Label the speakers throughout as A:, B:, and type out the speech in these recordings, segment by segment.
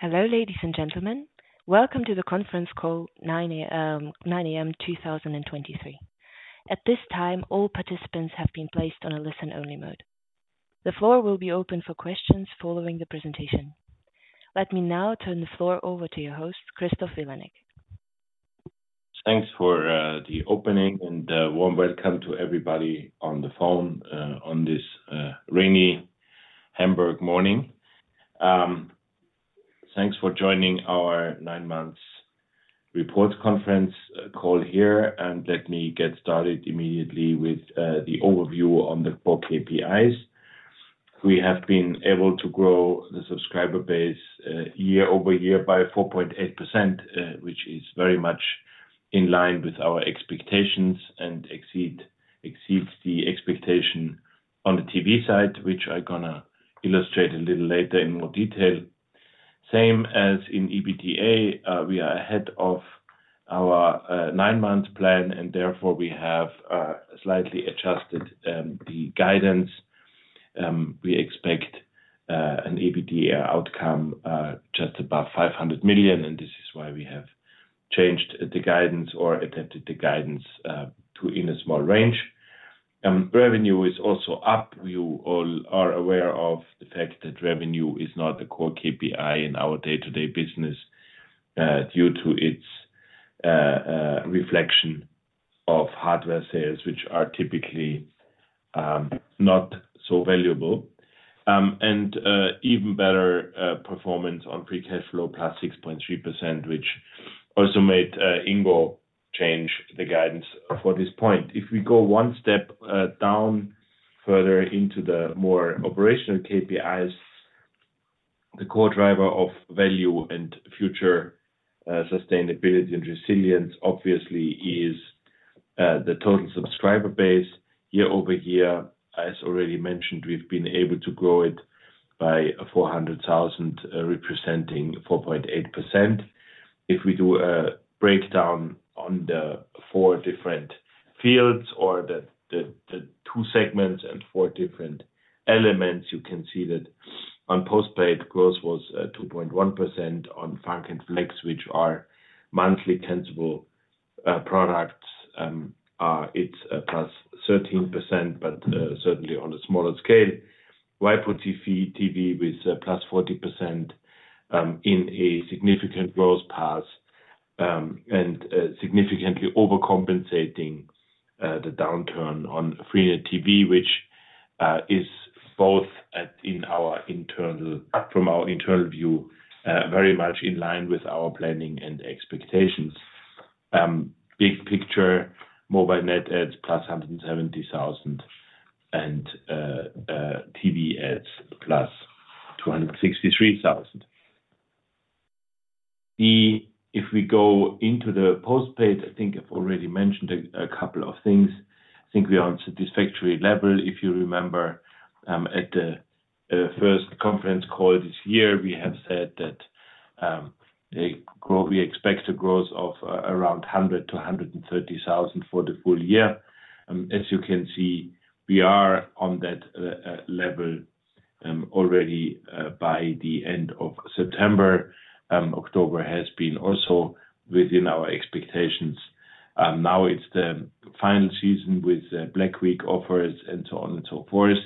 A: Hello, ladies and gentlemen. Welcome to the conference call 9 A.M. 2023. At this time, all participants have been placed on a listen-only mode. The floor will be open for questions following the presentation. Let me now turn the floor over to your host, Christoph Vilanek.
B: Thanks for the opening, and a warm welcome to everybody on the phone, on this rainy Hamburg morning. Thanks for joining our nine-month report conference call here, and let me get started immediately with the overview on the four KPIs. We have been able to grow the subscriber base, year-over-year by 4.8%, which is very much in line with our expectations and exceed, exceeds the expectation on the TV side, which I'm gonna illustrate a little later in more detail. Same as in EBITDA, we are ahead of our nine-month plan, and therefore we have slightly adjusted the guidance. We expect an EBITDA outcome just above 500 million, and this is why we have changed the guidance or attempted the guidance to in a small range. Revenue is also up. We all are aware of the fact that revenue is not a core KPI in our day-to-day business, due to its reflection of hardware sales, which are typically not so valuable. And even better performance on free cash flow, plus 6.3%, which also made Ingo change the guidance for this point. If we go one step down further into the more operational KPIs, the core driver of value and future sustainability and resilience, obviously, is the total subscriber base year-over-year. As already mentioned, we've been able to grow it by 400,000, representing 4.8%. If we do a breakdown on the four different fields or the two segments and four different elements, you can see that on postpaid growth was 2.1%. On FUNK and FLEX, which are monthly cancelable products, it's +13%, but certainly on a smaller scale. waipu.tv, TV with +40%, in a significant growth path, and significantly overcompensating the downturn on freenet TV, which is from our internal view very much in line with our planning and expectations. Big picture, mobile net adds +170,000, and TV adds +263,000. If we go into the postpaid, I think I've already mentioned a couple of things. I think we are on satisfactory level. If you remember, at the first conference call this year, we have said that we expect a growth of around 100-130 thousand for the full year. As you can see, we are on that level already by the end of September. October has been also within our expectations. Now it's the final season with Black Week offers and so on and so forth.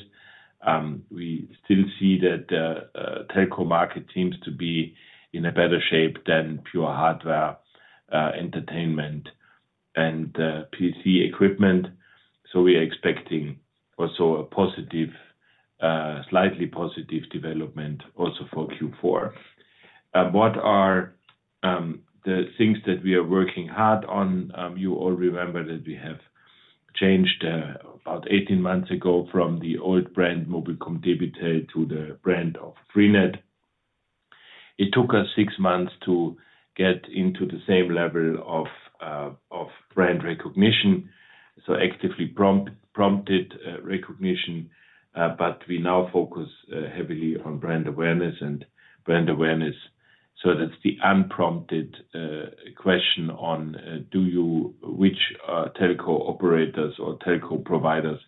B: We still see that the telco market seems to be in a better shape than pure hardware entertainment and PC equipment. So we are expecting also a positive, slightly positive development also for Q4. What are the things that we are working hard on? You all remember that we have changed about 18 months ago from the old brand, mobilcom-debitel, to the brand of freenet. It took us six months to get into the same level of of brand recognition, so actively prompt, prompted, recognition. But we now focus heavily on brand awareness, and brand awareness. So that's the unprompted question on do you... Which telco operators or telco providers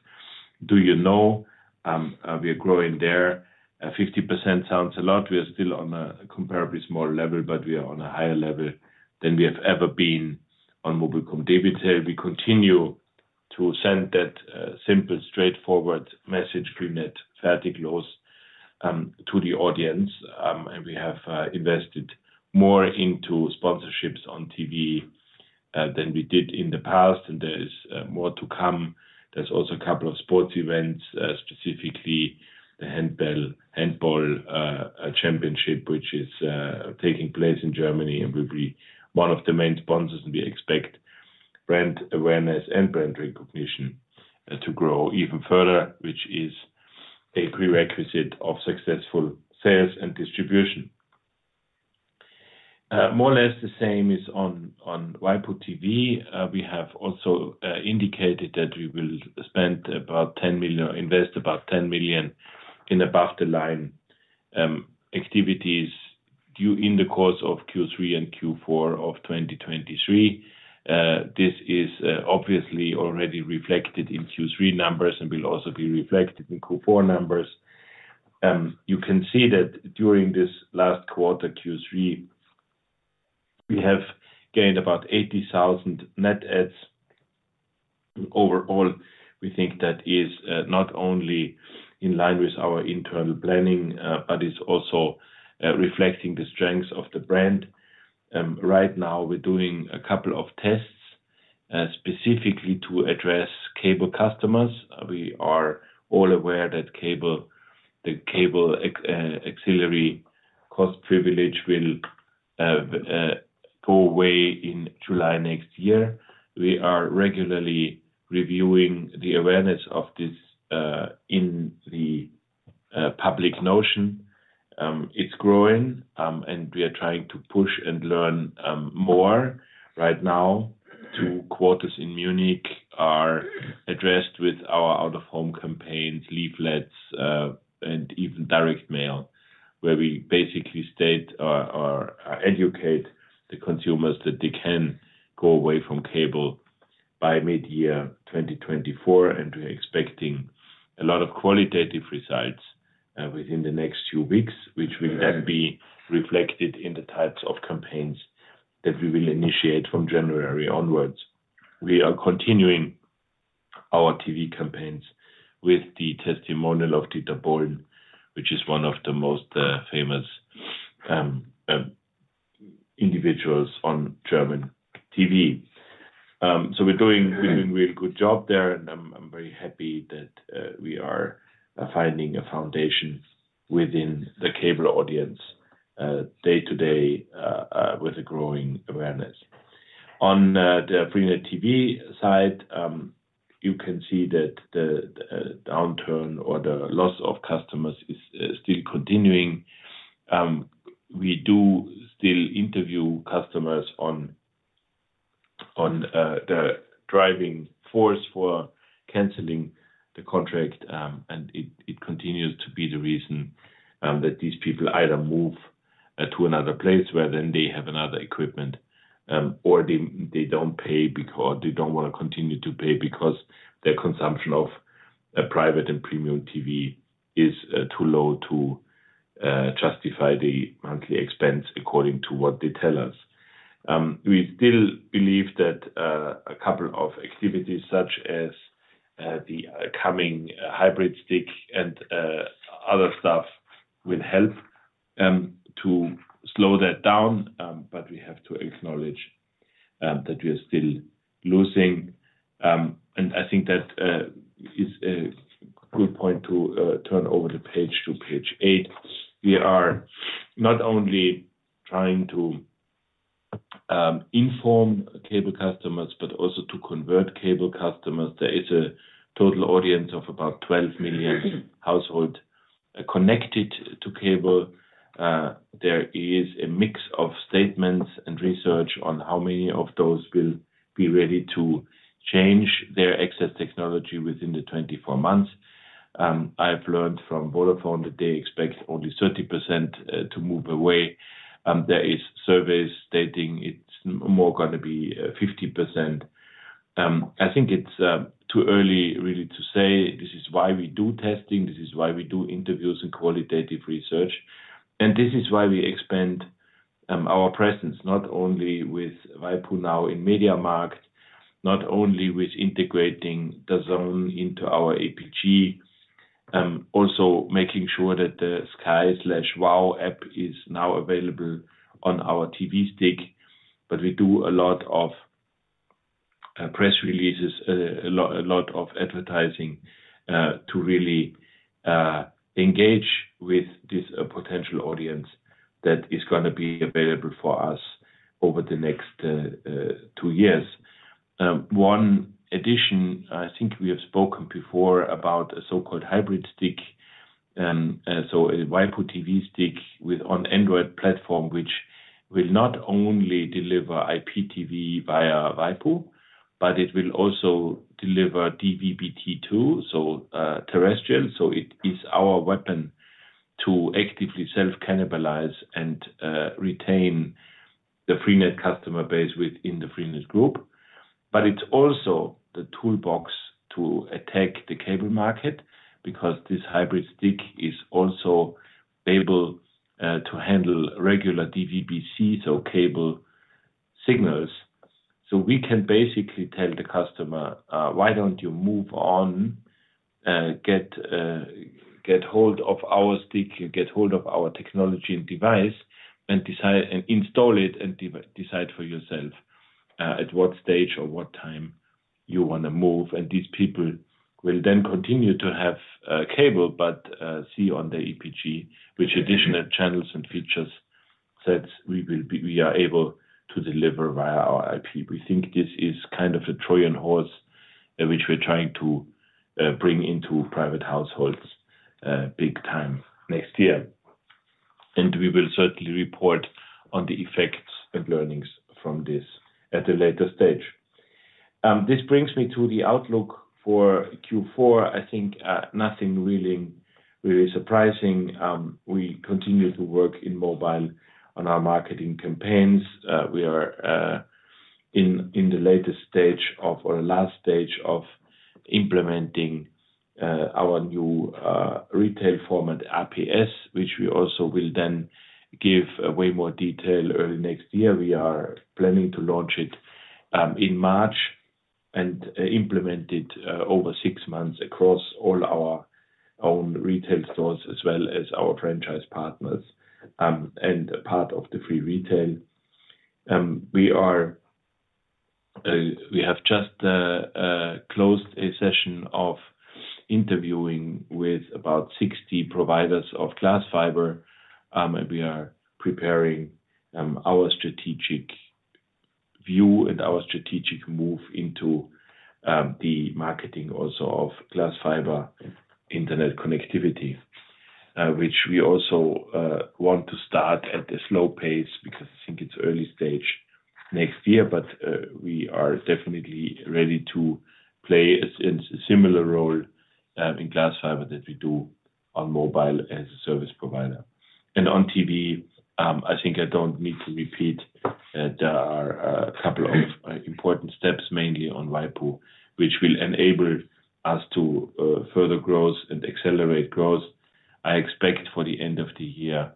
B: do you know? We are growing there. 50% sounds a lot. We are still on a comparably small level, but we are on a higher level than we have ever been on mobilcom-debitel. We continue to send that simple, straightforward message, freenet fair deals to the audience. We have invested more into sponsorships on TV than we did in the past, and there is more to come. There's also a couple of sports events, specifically the handball championship, which is taking place in Germany, and we'll be one of the main sponsors, and we expect brand awareness and brand recognition to grow even further, which is a prerequisite of successful sales and distribution. More or less the same is on waipu.tv. We have also indicated that we will spend about 10 million or invest about 10 million in above the line activities due in the course of Q3 and Q4 of 2023. This is obviously already reflected in Q3 numbers and will also be reflected in Q4 numbers. You can see that during this last quarter, Q3, we have gained about 80,000 net adds. Overall, we think that is not only in line with our internal planning, but is also reflecting the strengths of the brand. Right now, we're doing a couple of tests, specifically to address cable customers. We are all aware that the cable ancillary cost privilege will go away in July next year. We are regularly reviewing the awareness of this in the public notion. It's growing, and we are trying to push and learn more. Right now, two quarters in Munich are addressed with our out-of-home campaigns, leaflets, and even direct mail, where we basically state or educate the consumers that they can go away from cable by mid-year 2024, and we're expecting a lot of qualitative results within the next few weeks, which will then be reflected in the types of campaigns that we will initiate from January onwards. We are continuing our TV campaigns with the testimonial of Dieter Bohlen, which is one of the most famous individuals on German TV. So we're doing a really good job there, and I'm very happy that we are finding a foundation within the cable audience day-to-day with a growing awareness. On the freenet TV side, you can see that the downturn or the loss of customers is still continuing. We do still interview customers on the driving force for canceling the contract, and it continues to be the reason that these people either move to another place where then they have another equipment, or they don't pay because they don't want to continue to pay because their consumption of a private and premium TV is too low to justify the monthly expense according to what they tell us. We still believe that a couple of activities, such as the coming hybrid stick and other stuff, will help to slow that down. But we have to acknowledge that we are still losing. And I think that is a good point to turn over the page to page eight. We are not only trying to inform cable customers, but also to convert cable customers. There is a total audience of about 12 million household connected to cable. There is a mix of statements and research on how many of those will be ready to change their access technology within the 24 months. I've learned from Vodafone that they expect only 30% to move away. There is surveys stating it's more gonna be 50%. I think it's too early really to say. This is why we do testing, this is why we do interviews and qualitative research, and this is why we expand our presence, not only with waipu.tv in MediaMarkt, not only with integrating DAZN into our APG, also making sure that the Sky/WOW app is now available on our TV stick, but we do a lot of press releases, a lot of advertising to really engage with this potential audience that is gonna be available for us over the next two years. One addition, I think we have spoken before about a so-called hybrid stick. So a waipu.tv stick with an Android platform, which will not only deliver IPTV via waipu.tv, but it will also deliver DVB-T2, so terrestrial. So it is our weapon to actively self-cannibalize and retain the freenet customer base within the freenet group. But it's also the toolbox to attack the cable market, because this hybrid stick is also able to handle regular DVB-C, so cable signals. So we can basically tell the customer, "Why don't you move on, get hold of our stick, get hold of our technology and device, and decide and install it, and decide for yourself at what stage or what time you wanna move?" And these people will then continue to have cable, but see on the EPG, which additional channels and features sets we are able to deliver via our IP. We think this is kind of a Trojan horse, which we're trying to bring into private households big time next year. We will certainly report on the effects and learnings from this at a later stage. This brings me to the outlook for Q4. I think nothing really, really surprising. We continue to work in mobile on our marketing campaigns. We are in the last stage of implementing our new retail format, APS, which we also will then give way more detail early next year. We are planning to launch it in March and implement it over six months across all our own retail stores, as well as our franchise partners, and part of the freenet retail. We have just closed a session of interviewing with about 60 providers of glass fiber. We are preparing our strategic view and our strategic move into the marketing also of glass fiber internet connectivity. Which we also want to start at a slow pace because I think it's early stage next year, but we are definitely ready to play a similar role in glass fiber that we do on mobile as a service provider. And on TV, I think I don't need to repeat that there are a couple of important steps, mainly on Waipu, which will enable us to further growth and accelerate growth. I expect for the end of the year,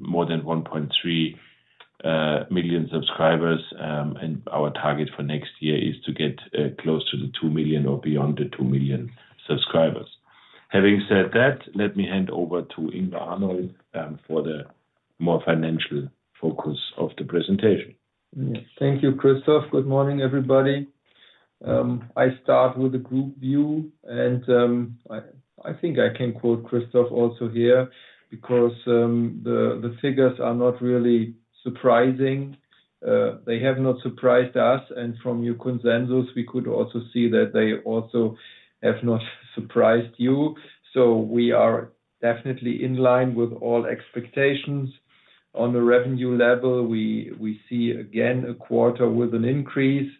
B: more than 1.3 million subscribers, and our target for next year is to get close to the 2 million or beyond the 2 million subscribers. Having said that, let me hand over to Ingo Arnold, for the more financial focus of the presentation.
C: Thank you, Christoph. Good morning, everybody. I start with the group view, and I think I can quote Christoph also here, because the figures are not really surprising. They have not surprised us, and from your consensus, we could also see that they also have not surprised you. So we are definitely in line with all expectations. On the revenue level, we see again a quarter with an increase.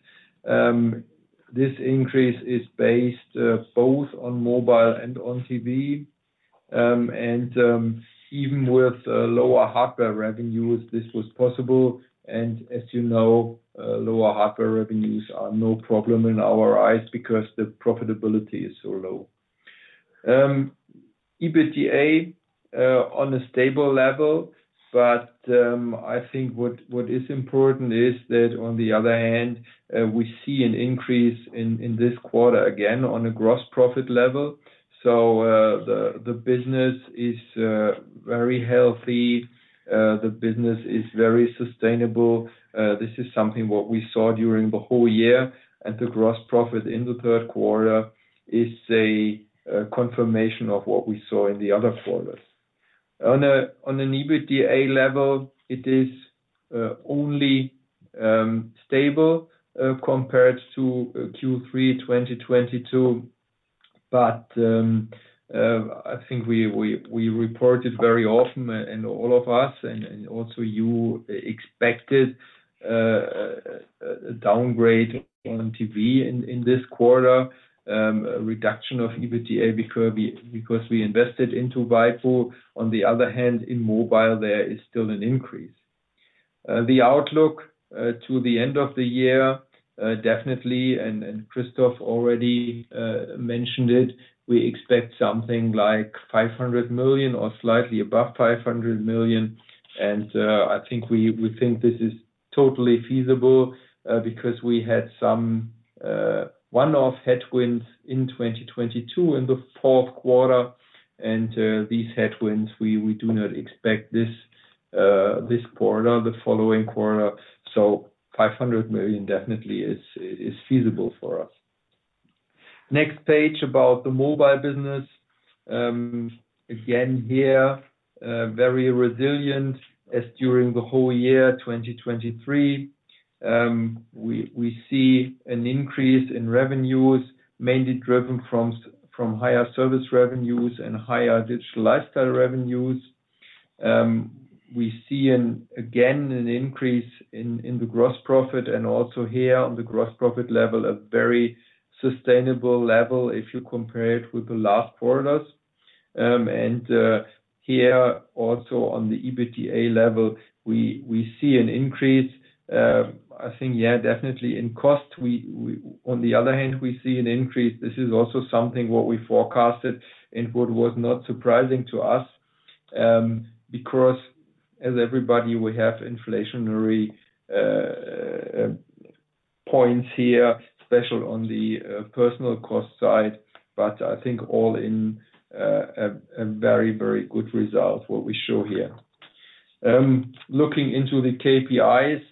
C: This increase is based both on mobile and on TV. And even with lower hardware revenues, this was possible. And as you know, lower hardware revenues are no problem in our eyes because the profitability is so low. EBITDA on a stable level, but I think what is important is that on the other hand, we see an increase in this quarter, again, on a gross profit level. So, the business is very healthy, the business is very sustainable. This is something what we saw during the whole year, and the gross profit in the third quarter is a confirmation of what we saw in the other quarters. On an EBITDA level, it is only stable compared to Q3 2022, but I think we reported very often and all of us, and also you expected a downgrade on TV in this quarter, a reduction of EBITDA because we invested into Waipu. On the other hand, in mobile, there is still an increase. The outlook to the end of the year, definitely, and Christoph already mentioned it, we expect something like 500 million or slightly above 500 million. And, I think we think this is totally feasible, because we had some one-off headwinds in 2022 in the fourth quarter. And, these headwinds, we do not expect this quarter, the following quarter. So 500 million definitely is feasible for us. Next page about the mobile business. Again, here, very resilient as during the whole year, 2023. We see an increase in revenues, mainly driven from higher service revenues and higher digital lifestyle revenues. We see again an increase in the gross profit and also here on the gross profit level, a very sustainable level if you compare it with the last quarters. And here also on the EBITDA level, we see an increase. I think, yeah, definitely in cost, on the other hand, we see an increase. This is also something what we forecasted and what was not surprising to us, because as everybody, we have inflationary points here, especially on the personal cost side, but I think all in, a very, very good result, what we show here. Looking into the KPIs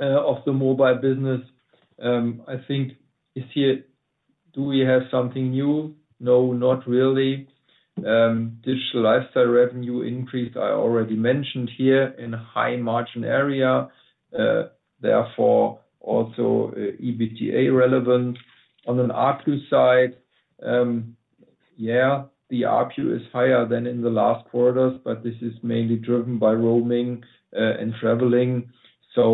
C: of the mobile business, I think is here, do we have something new? No, not really. Digital lifestyle revenue increase, I already mentioned here in a high margin area, therefore, also, EBITDA relevant. On an ARPU side, Yeah, the ARPU is higher than in the last quarters, but this is mainly driven by roaming and traveling. So,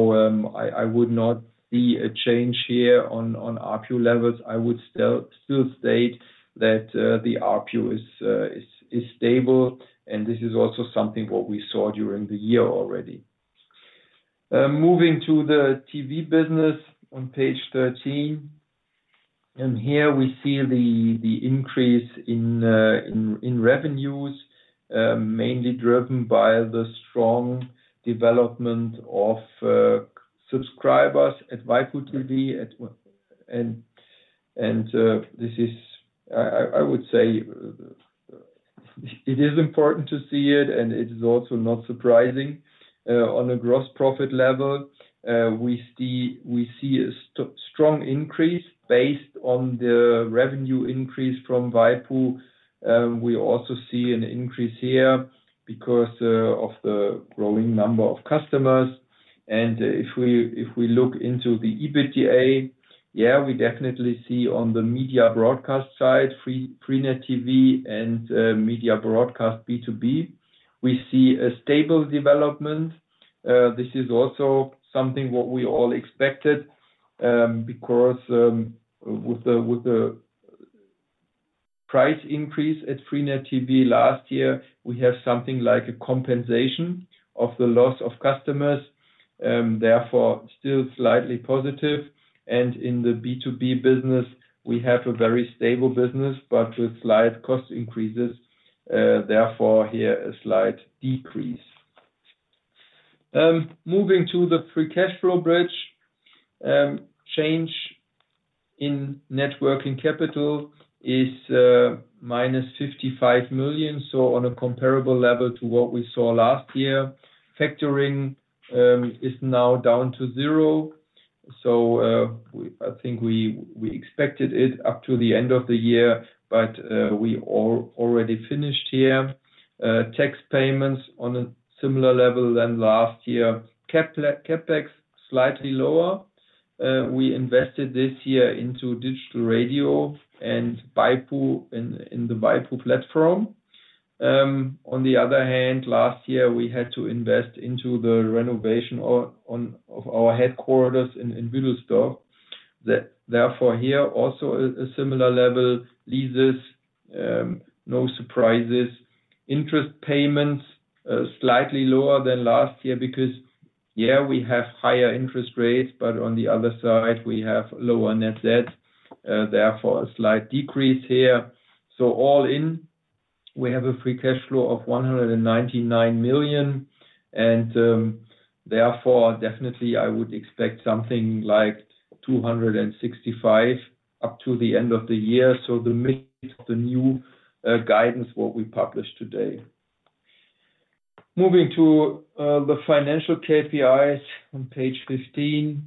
C: I, I would not see a change here on, on ARPU levels. I would still, still state that, the ARPU is, is, is stable, and this is also something what we saw during the year already. Moving to the TV business on page 13, and here we see the, the increase in, in, in revenues, mainly driven by the strong development of, subscribers at waipu.tv. At, and, and, this is, I, I, I would say, it is important to see it, and it is also not surprising. On a gross profit level, we see, we see a strong increase based on the revenue increase from Waipu. We also see an increase here because of the growing number of customers. And if we, if we look into the EBITDA, we definitely see on the Media Broadcast side, freenet TV and Media Broadcast B2B, we see a stable development. This is also something what we all expected, because with the price increase at freenet TV last year, we have something like a compensation of the loss of customers, therefore, still slightly positive. And in the B2B business, we have a very stable business, but with slight cost increases, therefore, here, a slight decrease. Moving to the free cash flow bridge, change in net working capital is minus 55 million, so on a comparable level to what we saw last year. Factoring is now down to zero. So, I think we expected it up to the end of the year, but we already finished here. Tax payments on a similar level than last year. CapEx, slightly lower. We invested this year into digital radio and waipu.tv, in the waipu.tv platform. On the other hand, last year, we had to invest into the renovation of our headquarters in Wilstorf. That therefore, here, also a similar level. Leases, no surprises. Interest payments slightly lower than last year because, yeah, we have higher interest rates, but on the other side, we have lower net debt, therefore, a slight decrease here. So all in, we have a free cash flow of 199 million, and therefore, definitely I would expect something like 265 million up to the end of the year. So the midpoint, the new guidance what we published today. Moving to the financial KPIs on page 15.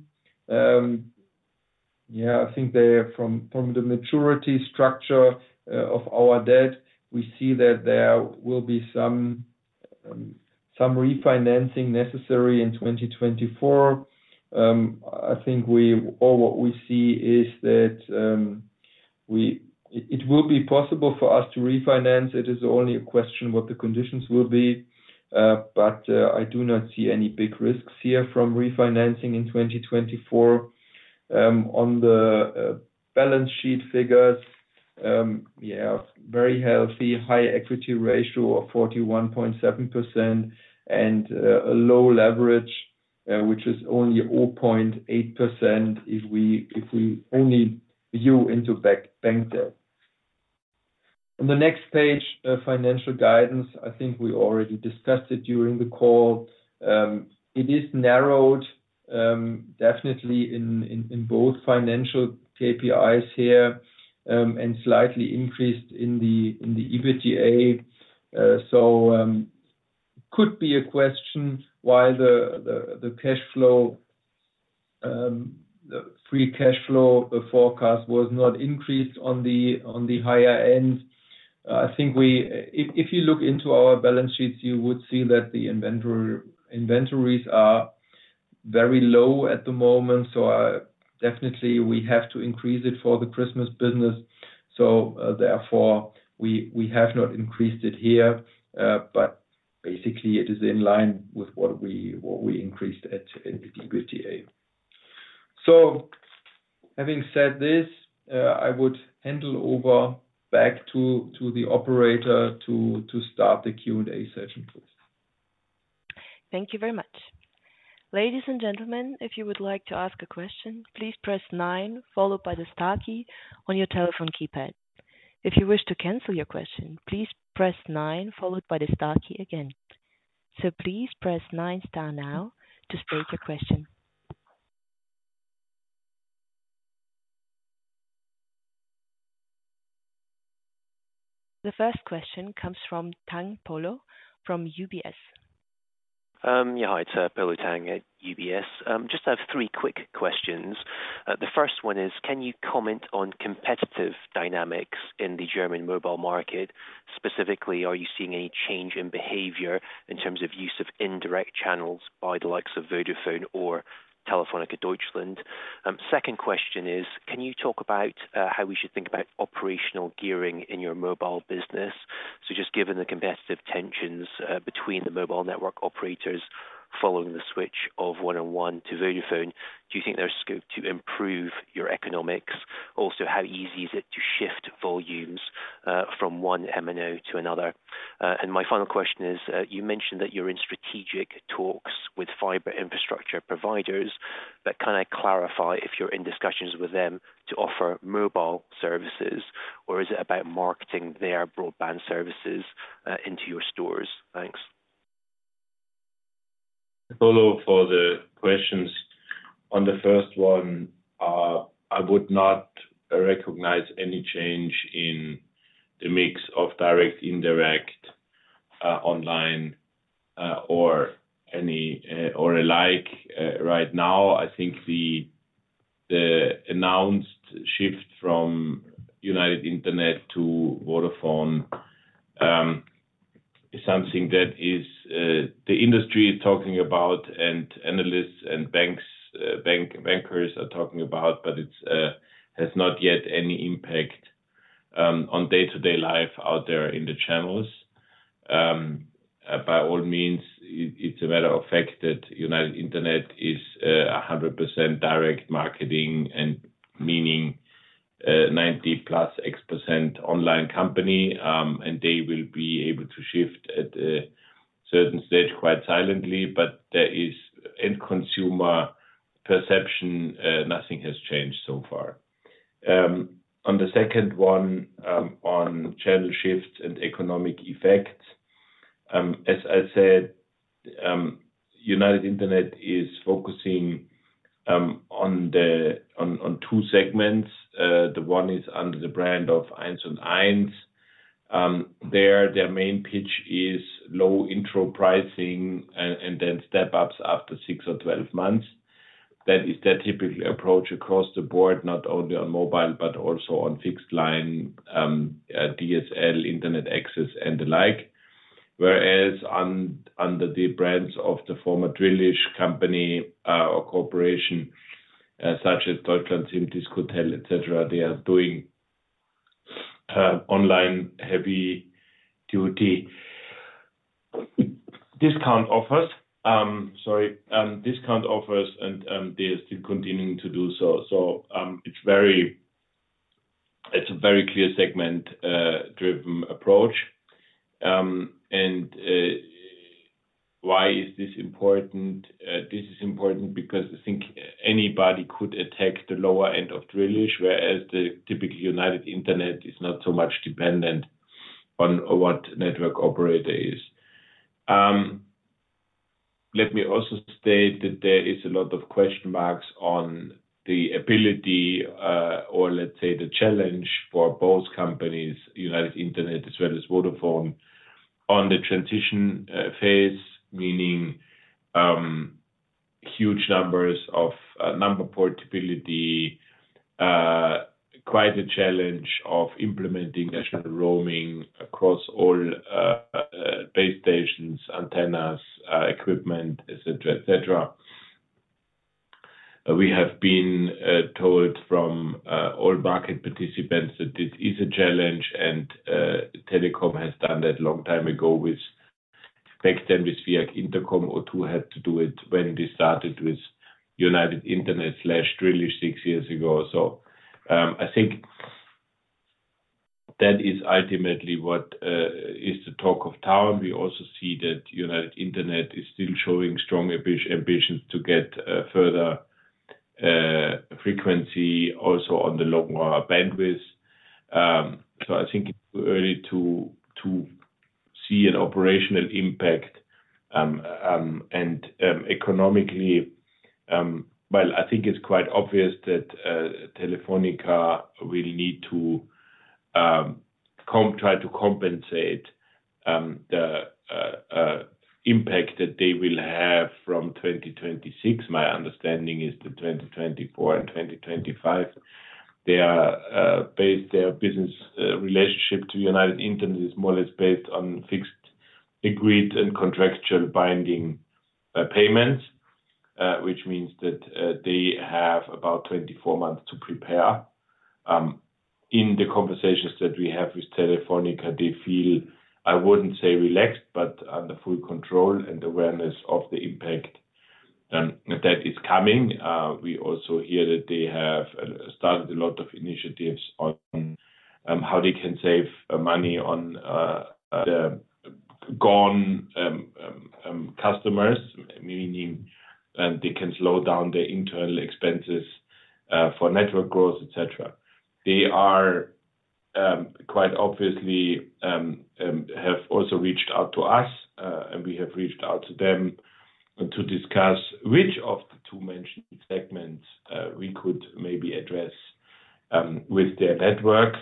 C: Yeah, I think from the maturity structure of our debt, we see that there will be some refinancing necessary in 2024. I think what we see is that it will be possible for us to refinance. It is only a question what the conditions will be, but I do not see any big risks here from refinancing in 2024. On the balance sheet figures, yeah, very healthy, high equity ratio of 41.7% and a low leverage, which is only 0.8%, if we only view into net bank debt. On the next page, financial guidance, I think we already discussed it during the call. It is narrowed definitely in both financial KPIs here, and slightly increased in the EBITDA. So, could be a question why the cash flow, the free cash flow forecast was not increased on the higher end. I think if you look into our balance sheets, you would see that the inventories are very low at the moment, so definitely we have to increase it for the Christmas business. So therefore, we have not increased it here, but basically it is in line with what we increased in the EBITDA. So having said this, I would hand over back to the operator to start the Q&A session, please.
A: Thank you very much. Ladies and gentlemen, if you would like to ask a question, please press nine followed by the star key on your telephone keypad. If you wish to cancel your question, please press nine followed by the star key again. So please press nine star now to state your question. The first question comes from Polo Tang from UBS.
D: Yeah, hi, it's Polo Tang at UBS. Just have three quick questions. The first one is, can you comment on competitive dynamics in the German mobile market? Specifically, are you seeing any change in behavior in terms of use of indirect channels by the likes of Vodafone or Telefónica Deutschland? Second question is, can you talk about how we should think about operational gearing in your mobile business? So just given the competitive tensions between the mobile network operators following the switch of 1&1 to Vodafone, do you think there's scope to improve your economics? Also, how easy is it to shift volumes from one MNO to another? My final question is, you mentioned that you're in strategic talks with fiber infrastructure providers, but can I clarify if you're in discussions with them to offer mobile services, or is it about marketing their broadband services into your stores? Thanks.
B: Follow for the questions. On the first one, I would not recognize any change in the mix of direct, indirect, online, or any, or alike. Right now, I think the announced shift from United Internet to Vodafone is something that is the industry is talking about, and analysts and banks, bankers are talking about, but it's has not yet any impact on day-to-day life out there in the channels. By all means, it's a matter of fact that United Internet is 100% direct marketing, and meaning, 90%+ online company, and they will be able to shift at a certain stage quite silently, but there is end consumer perception, nothing has changed so far. On the second one, on channel shifts and economic effects, as I said, United Internet is focusing on two segments. The one is under the brand of 1&1. There, their main pitch is low intro pricing and then step ups after six or 12 months. That is their typical approach across the board, not only on mobile, but also on fixed line, DSL, internet access, and the like. Whereas under the brands of the former Drillisch company, or corporation, such as DeutschlandSIM, discoTEL, etc., they are doing online heavy-duty discount offers. Sorry, discount offers, and they are still continuing to do so. So, it's a very clear segment driven approach. And why is this important? This is important because I think anybody could attack the lower end of Drillisch, whereas the typical United Internet is not so much dependent on what network operator is. Let me also state that there is a lot of question marks on the ability, or let's say, the challenge for both companies, United Internet, as well as Vodafone on the transition phase, meaning huge numbers of number portability, quite a challenge of implementing national roaming across all base stations, antennas, equipment, etc., etc. We have been told from all market participants that it is a challenge, and Telecom has done that long time ago with, back then, with VIAG Interkom, or O2 had to do it when they started with United Internet/Drillisch six years ago. So, I think that is ultimately what is the talk of town. We also see that United Internet is still showing strong ambitions to get further frequency also on the lower bandwidth. So I think it's early to see an operational impact, and economically. Well, I think it's quite obvious that Telefónica will need to try to compensate the impact that they will have from 2026. My understanding is that 2024 and 2025, they are based their business relationship to United Internet is more or less based on fixed, agreed and contractual binding payments, which means that they have about 24 months to prepare. In the conversations that we have with Telefónica, they feel, I wouldn't say relaxed, but under full control and awareness of the impact that is coming. We also hear that they have started a lot of initiatives on how they can save money on the gone customers, meaning they can slow down their internal expenses for network growth, etc. They are quite obviously have also reached out to us, and we have reached out to them to discuss which of the two mentioned segments we could maybe address with their network.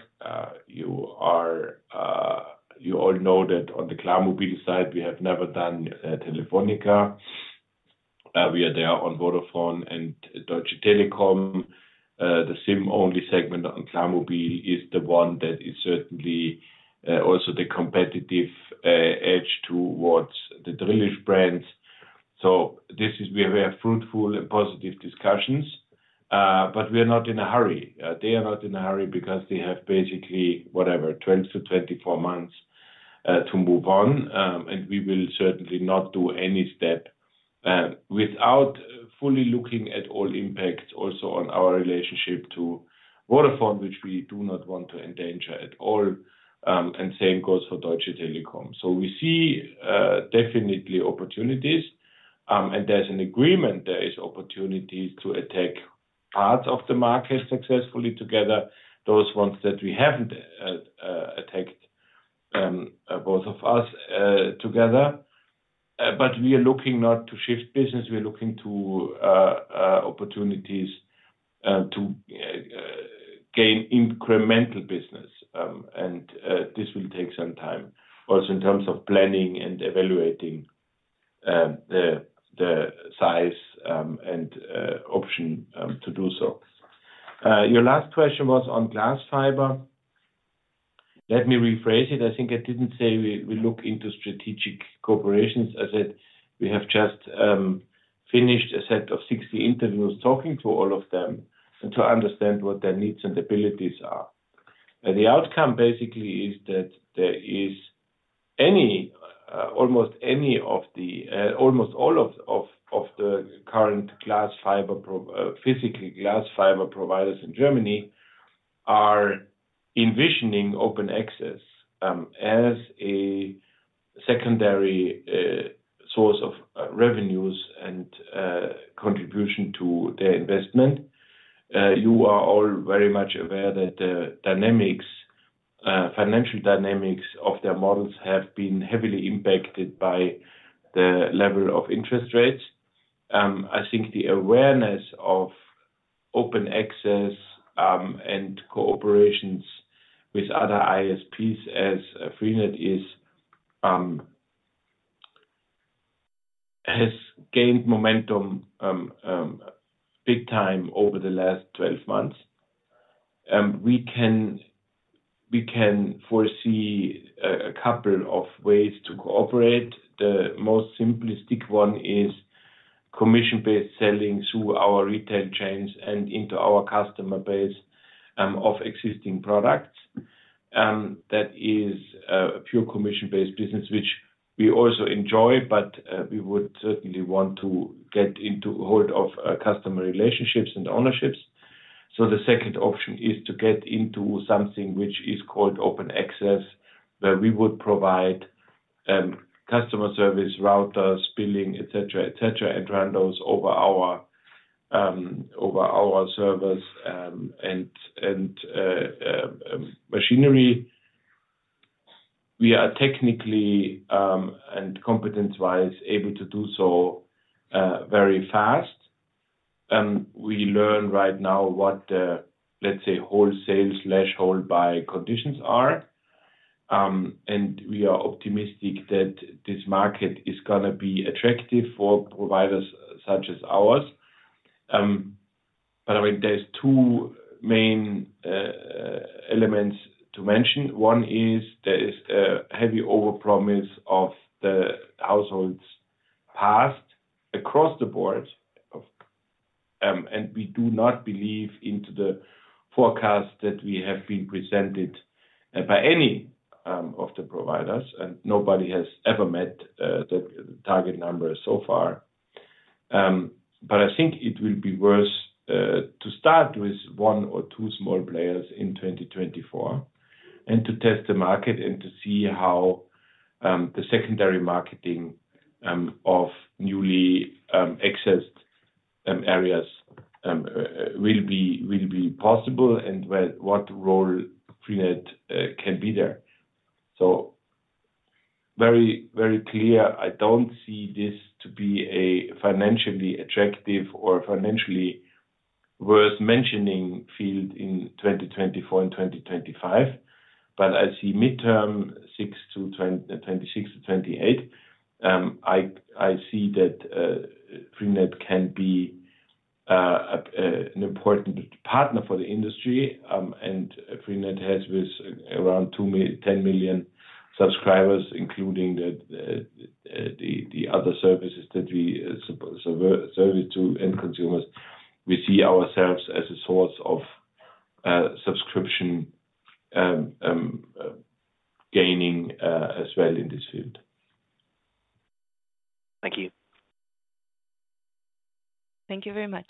B: You all know that on the Klarmobil side, we have never done Telefónica. We are there on Vodafone and Deutsche Telekom. The SIM-only segment on Klarmobil is the one that is certainly also the competitive edge towards the Drillisch brands. So this is where we have fruitful and positive discussions, but we are not in a hurry. They are not in a hurry because they have basically, whatever, 20-24 months to move on. And we will certainly not do any step without fully looking at all impacts also on our relationship to Vodafone, which we do not want to endanger at all. And same goes for Deutsche Telekom. So we see definitely opportunities, and there's an agreement there is opportunities to attack parts of the market successfully together, those ones that we haven't attacked, both of us together. But we are looking not to shift business, we are looking to opportunities to gain incremental business. And this will take some time also in terms of planning and evaluating the size and option to do so. Your last question was on glass fiber. Let me rephrase it. I think I didn't say we look into strategic cooperations. I said we have just finished a set of 60 interviews, talking to all of them and to understand what their needs and abilities are. And the outcome basically is that there is almost all of the current glass fiber providers in Germany are envisioning Open Access as a secondary source of revenues and contribution to their investment. You are all very much aware that the dynamics, financial dynamics of their models have been heavily impacted by the level of interest rates. I think the awareness of Open Access, and cooperations with other ISPs as freenet is, has gained momentum, big time over the last 12 months. We can foresee a couple of ways to cooperate. The most simplistic one is commission-based selling through our retail chains and into our customer base, of existing products. That is, a pure commission-based business, which we also enjoy, but, we would certainly want to get into hold of, customer relationships and ownerships. So the second option is to get into something which is called Open Access, where we would provide customer service, routers, billing, etc., etc., and run those over our servers and machinery. We are technically and competence-wise able to do so very fast. We learn right now what the, let's say, wholesale/hold buy conditions are. And we are optimistic that this market is going to be attractive for providers such as ours. But I mean, there's two main elements to mention. One is there is a heavy overpromise of the households passed across the board, of, and we do not believe into the forecast that we have been presented by any of the providers, and nobody has ever met the target numbers so far. But I think it will be worth to start with one or two small players in 2024, and to test the market, and to see how the secondary marketing of newly accessed areas will be possible and what role freenet can be there. So very, very clear, I don't see this to be a financially attractive or financially worth mentioning field in 2024 and 2025, but I see midterm 2026-2028, I see that freenet can be an important partner for the industry. And freenet has with around 10 million subscribers, including the other services that we serve to end consumers. We see ourselves as a source of subscription gaining as well in this field.
D: Thank you.
A: Thank you very much.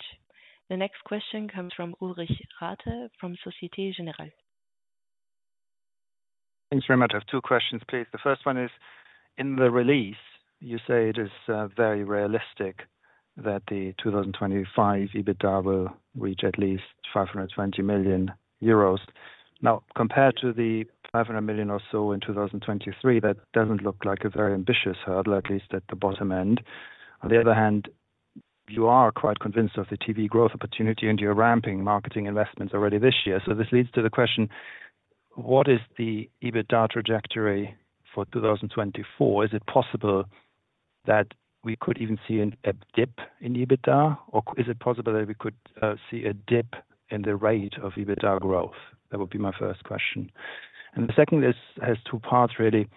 A: The next question comes from Ulrich Rathe, from Société Générale.
E: Thanks very much. I have two questions, please. The first one is: in the release, you say it is very realistic that the 2025 EBITDA will reach at least 520 million euros. Now, compared to the 500 million or so in 2023, that doesn't look like a very ambitious hurdle, at least at the bottom end. On the other hand, you are quite convinced of the TV growth opportunity, and you're ramping marketing investments already this year. So this leads to the question: What is the EBITDA trajectory for 2024? Is it possible that we could even see a dip in EBITDA, or is it possible that we could see a dip in the rate of EBITDA growth? That would be my first question. And the second is, has two parts, really.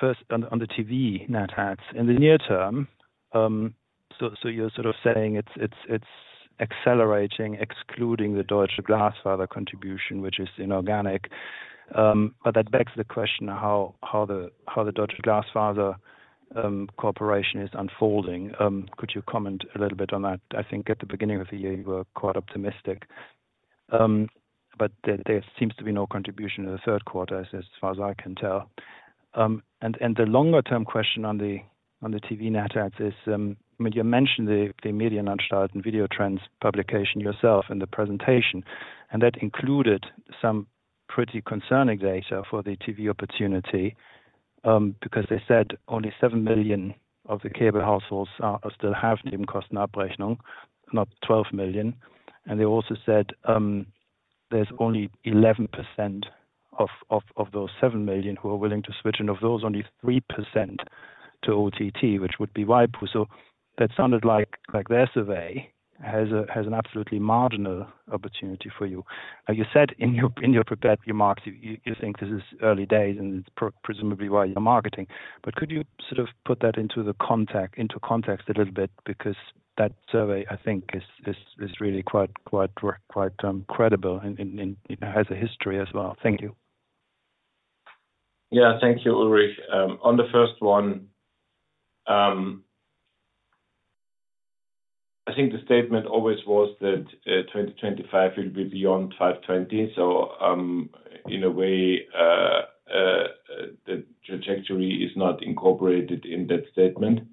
E: First, on the TV net adds. In the near term, you're sort of saying it's accelerating, excluding the Deutsche Glasfaser contribution, which is inorganic. But that begs the question of how the Deutsche Glasfaser cooperation is unfolding. Could you comment a little bit on that? I think at the beginning of the year, you were quite optimistic. But there seems to be no contribution in the third quarter, far as I can tell. And the longer-term question on the TV net adds is, I mean, you mentioned the Media Nachtrag and Video Trends publication yourself in the presentation, and that included some pretty concerning data for the TV opportunity. Because they said only 7 million of the cable households still have Nebenkostenabrechnung, not 12 million. And they also said there's only 11% of those 7 million who are willing to switch, and of those, only 3% to OTT, which would be waipu.tv. So that sounded like their survey has an absolutely marginal opportunity for you. Now, you said in your prepared remarks, you think this is early days, and it's presumably why you're marketing. But could you sort of put that into context a little bit, because that survey, I think, is really quite credible and it has a history as well. Thank you.
B: Yeah, thank you, Ulrich. On the first one, I think the statement always was that, 2025 will be beyond 520. So, in a way, the trajectory is not incorporated in that statement.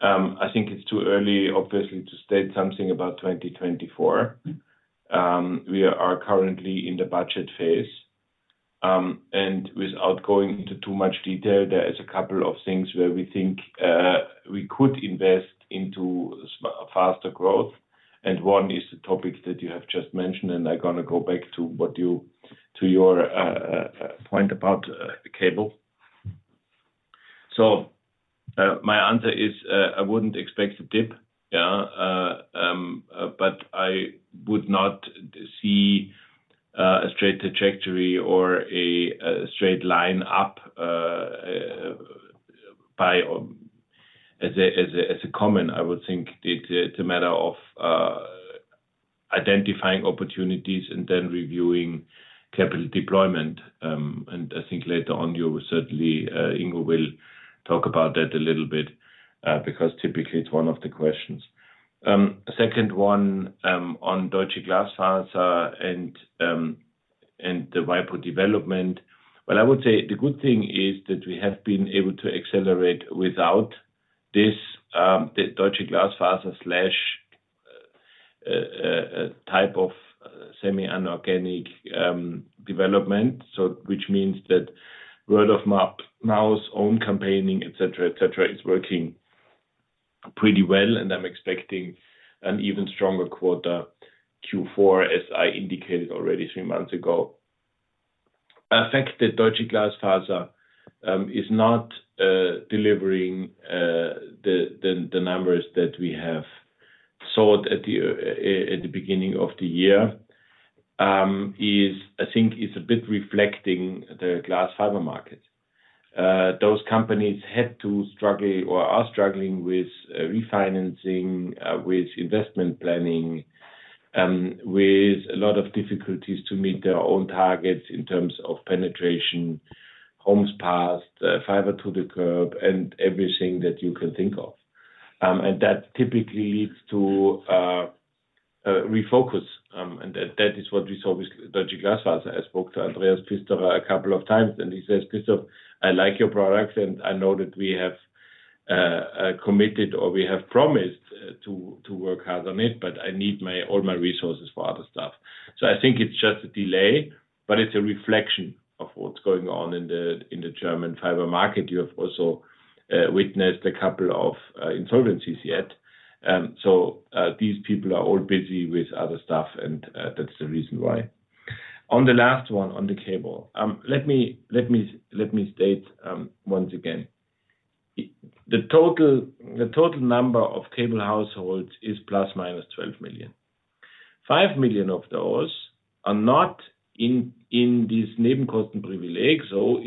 B: I think it's too early, obviously, to state something about 2024. We are currently in the budget phase. And without going into too much detail, there is a couple of things where we think we could invest into faster growth, and one is the topic that you have just mentioned, and I'm gonna go back to what you to your point about cable. So, my answer is, I wouldn't expect a dip, yeah. But I would not see a straight trajectory or a straight line up or as a common. I would think it's a matter of identifying opportunities and then reviewing capital deployment. I think later on, you will certainly, Ingo will talk about that a little bit, because typically it's one of the questions. Second one, on Deutsche Glasfaser and the IPO development. Well, I would say the good thing is that we have been able to accelerate without this, the Deutsche Glasfaser slash type of semi-inorganic development. Which means that word of mouth, own campaigning, etc., etc., is working pretty well, and I'm expecting an even stronger quarter Q4, as I indicated already three months ago. The fact that Deutsche Glasfaser is not delivering the numbers that we have sought at the beginning of the year is, I think, a bit reflecting the glass fiber market. Those companies had to struggle or are struggling with refinancing, with investment planning, with a lot of difficulties to meet their own targets in terms of penetration, homes passed, fiber to the curb, and everything that you can think of. And that typically leads to refocus, and that is what we saw with Deutsche Glasfaser. I spoke to Andreas Pfisterer a couple of times, and he says, "Christoph, I like your products, and I know that we have committed or we have promised to work hard on it, but I need all my resources for other stuff." So I think it's just a delay, but it's a reflection of what's going on in the German fiber market. You have also witnessed a couple of insolvencies yet. So these people are all busy with other stuff, and that's the reason why. On the last one, on the cable, let me state once again. The total number of cable households is ±12 million. 5 million of those are not in this Nebenkostenprivileg, so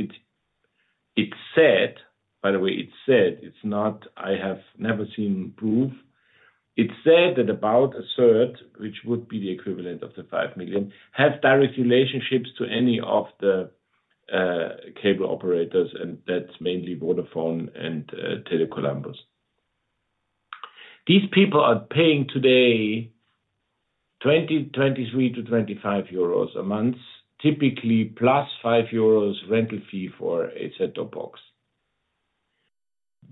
B: it's said, by the way, it's said, it's not—I have never seen proof. It's said that about a third, which would be the equivalent of the 5 million, have direct relationships to any of the cable operators, and that's mainly Vodafone and Tele Columbus. These people are paying today 23-25 euros a month, typically plus 5 euros rental fee for a set top box.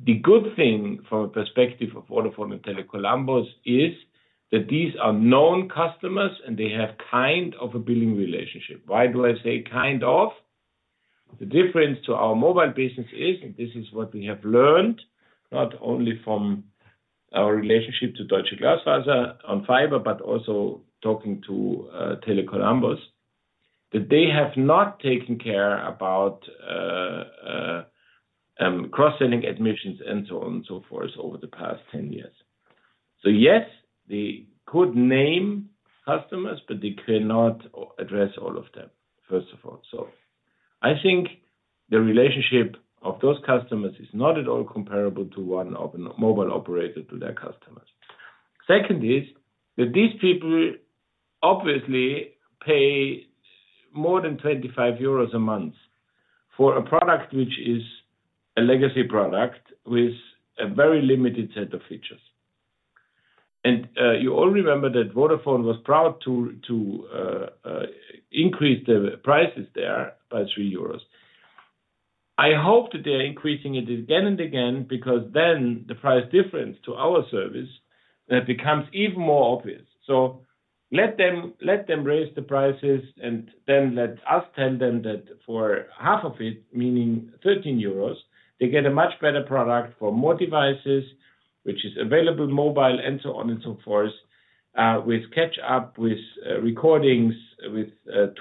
B: The good thing from a perspective of Vodafone and Tele Columbus is that these are known customers, and they have kind of a billing relationship. Why do I say kind of?... The difference to our mobile business is, and this is what we have learned, not only from our relationship to Deutsche Glasfaser on fiber, but also talking to Tele Columbus, that they have not taken care about cross-selling admissions and so on and so forth over the past 10 years. So yes, they could name customers, but they cannot address all of them, first of all. So I think the relationship of those customers is not at all comparable to one of a mobile operator to their customers. Second is, that these people obviously pay more than 25 euros a month for a product which is a legacy product with a very limited set of features. And you all remember that Vodafone was proud to increase the prices there by 3 euros. I hope that they are increasing it again and again, because then the price difference to our service, that becomes even more obvious. So let them, let them raise the prices, and then let us tell them that for half of it, meaning 13 euros, they get a much better product for more devices, which is available mobile and so on and so forth, with catch up, with recordings, with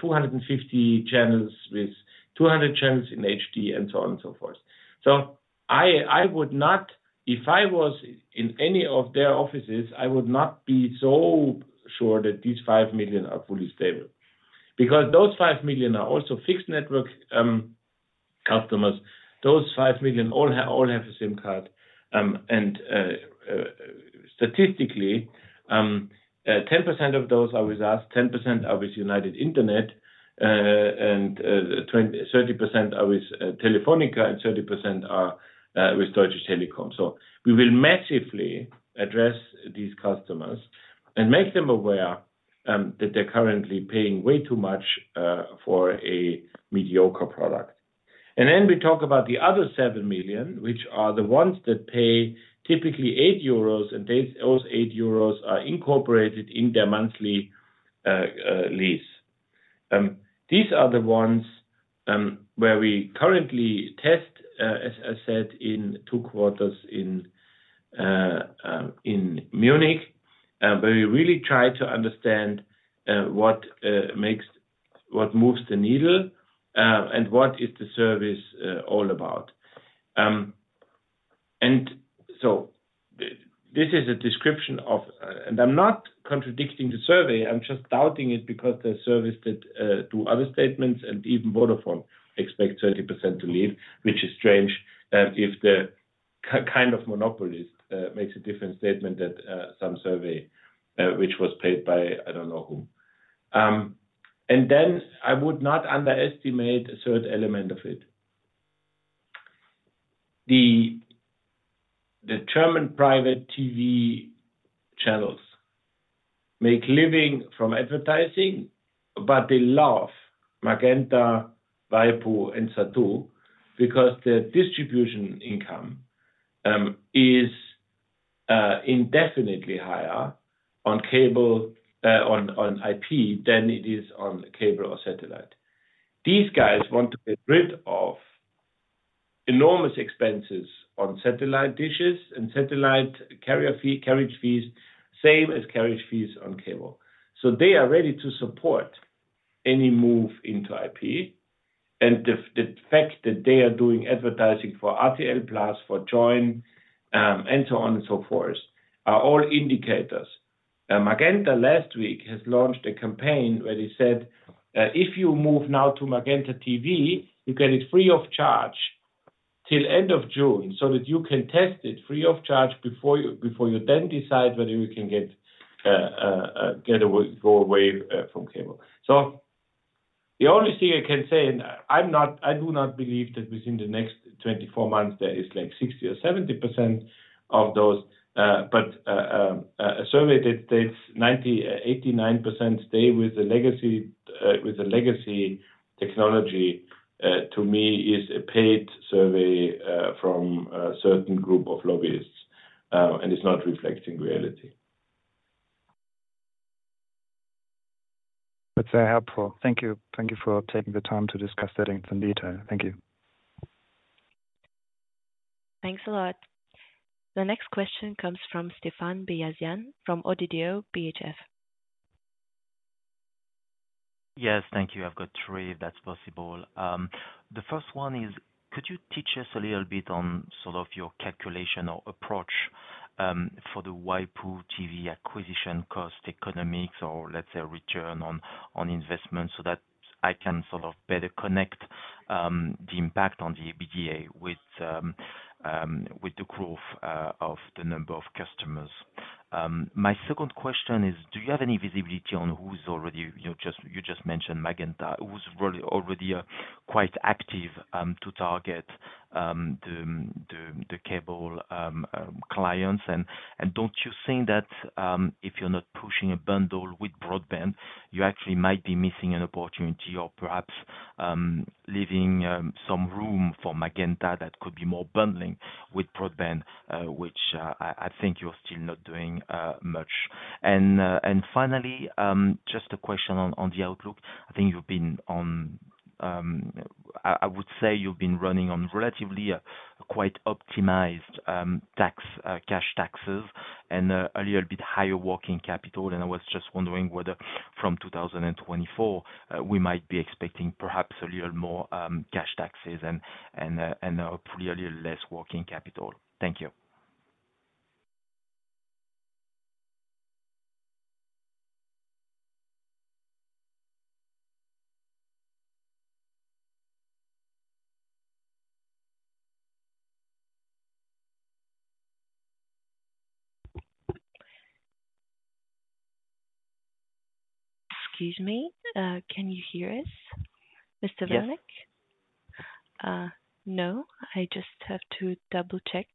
B: 250 channels, with 200 channels in HD, and so on and so forth. So I would not, if I was in any of their offices, I would not be so sure that these 5 million are fully stable. Because those 5 million are also fixed network customers. Those 5 million all have a SIM card. Statistically, 10% of those are with us, 10% are with United Internet, and 30% are with Telefónica, and 30% are with Deutsche Telekom. So we will massively address these customers and make them aware that they're currently paying way too much for a mediocre product. Then we talk about the other 7 million, which are the ones that pay typically 8 euros, and they, those 8 euros are incorporated in their monthly lease. These are the ones where we currently test, as I said, in 2 quarters in Munich, where we really try to understand what moves the needle and what is the service all about. So this is a description of... I'm not contradicting the survey, I'm just doubting it because the service that do other statements, and even Vodafone expect 30% to leave, which is strange, if the kind of monopolist makes a different statement that some survey which was paid by I don't know who. And then I would not underestimate a third element of it. The German private TV channels make a living from advertising, but they love Magenta, waipu, and satellite, because their distribution income is indefinitely higher on cable, on IP than it is on cable or satellite. These guys want to get rid of enormous expenses on satellite dishes and satellite carrier fee, carriage fees, same as carriage fees on cable. So they are ready to support any move into IP, and the fact that they are doing advertising for RTL Plus, for Joyn, and so on and so forth, are all indicators. Magenta last week has launched a campaign where they said, "If you move now to Magenta TV, you get it free of charge till end of June, so that you can test it free of charge before you, before you then decide whether you can get away, go away, from cable." So the only thing I can say, and I'm not, I do not believe that within the next 24 months, there is like 60 or 70% of those, a survey that says 89% stay with the legacy technology, to me is a paid survey from a certain group of lobbyists, and it's not reflecting reality.
E: That's very helpful. Thank you. Thank you for taking the time to discuss that in some detail. Thank you.
A: Thanks a lot. The next question comes from Stéphane Beyazian from ODDO BHF.
F: Yes, thank you. I've got three, if that's possible. The first one is, could you teach us a little bit on sort of your calculation or approach for the waipu.tv acquisition cost economics or, let's say, return on investment, so that I can sort of better connect the impact on the EBITDA with the growth of the number of customers. My second question is, do you have any visibility on who's already, you just mentioned Magenta, who's already are quite active to target the cable clients? Don't you think that if you're not pushing a bundle with broadband, you actually might be missing an opportunity or perhaps leaving some room for Magenta that could be more bundling with broadband, which I think you're still not doing much on? Finally, just a question on the outlook. I think you've been running on relatively a quite optimized tax cash taxes and a little bit higher working capital. I was just wondering whether from 2024 we might be expecting perhaps a little more cash taxes and a clearly less working capital. Thank you.
A: Excuse me, can you hear us, Mr. Vilanek?
F: Yes.
A: No, I just have to double-check.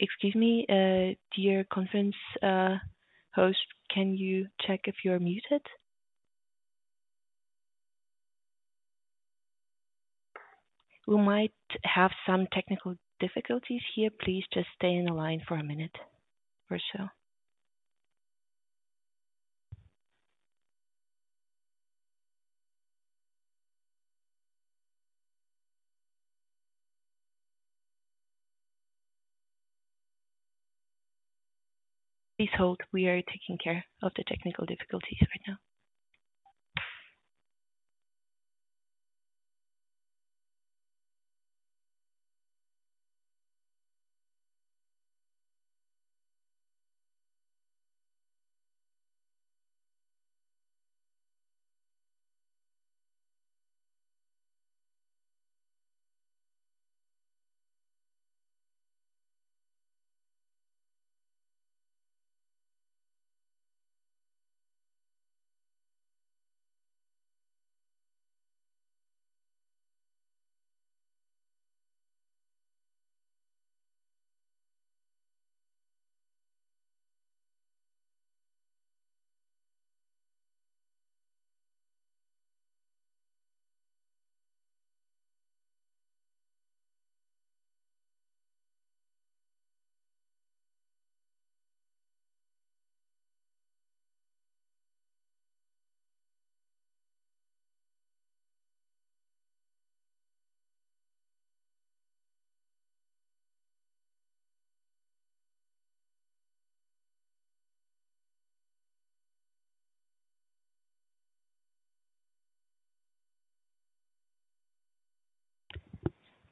A: Excuse me, dear conference host, can you check if you're muted? We might have some technical difficulties here. Please just stay on the line for a minute for sure. Please hold. We are taking care of the technical difficulties right now.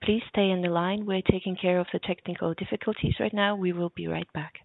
A: Please stay on the line. We're taking care of the technical difficulties right now. We will be right back.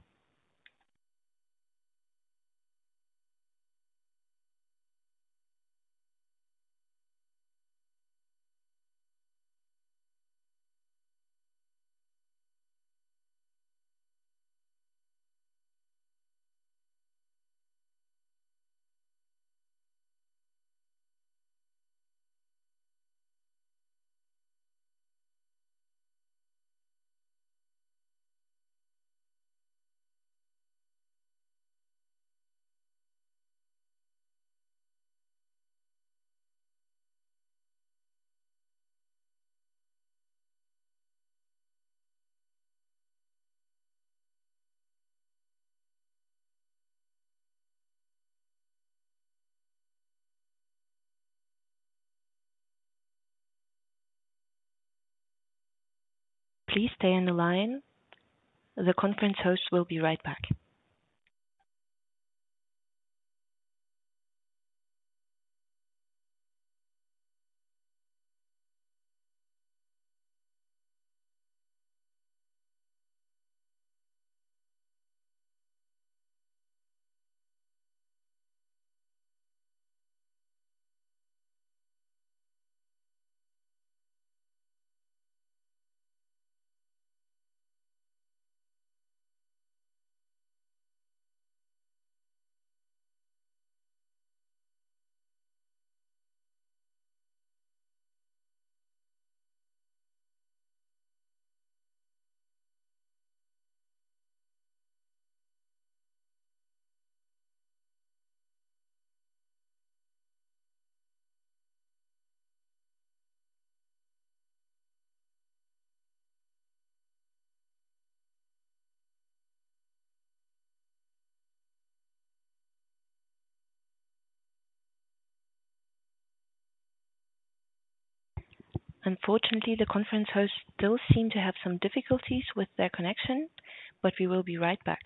A: Please stay on the line. The conference host will be right back. Unfortunately, the conference host still seem to have some difficulties with their connection, but we will be right back.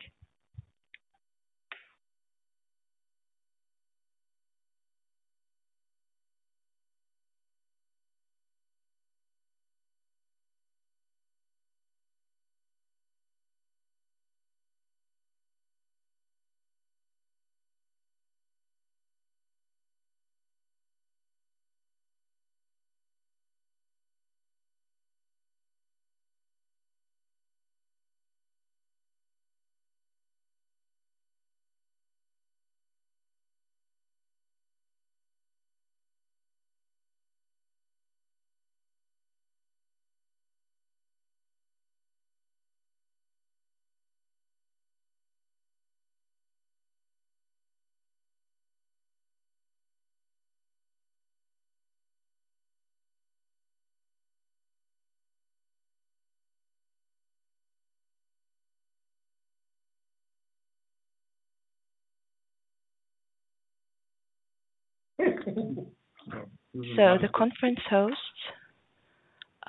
A: So the conference hosts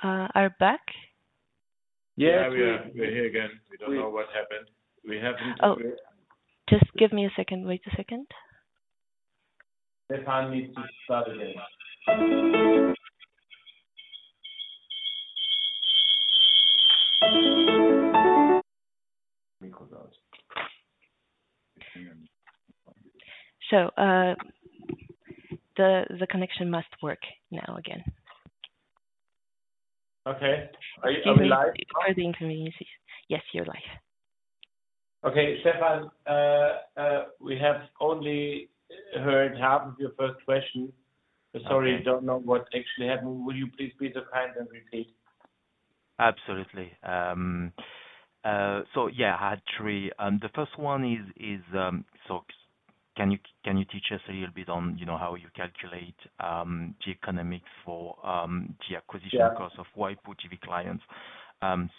A: are back?
B: Yeah, we are. We're here again. We don't know what happened. We have-
A: Oh, just give me a second. Wait a second.
B: Stéphane needs to start again.
A: So, the connection must work now again.
B: Okay. Are you, are we live?
A: For the inconvenience. Yes, you're live.
B: Okay, Stéphane, we have only heard half of your first question. Sorry, don't know what actually happened. Will you please be so kind and repeat?
F: Absolutely. So yeah, I had three. The first one is, so can you teach us a little bit on, you know, how you calculate the economic for the acquisition-
B: Yeah
F: Cost of waipu.tv clients,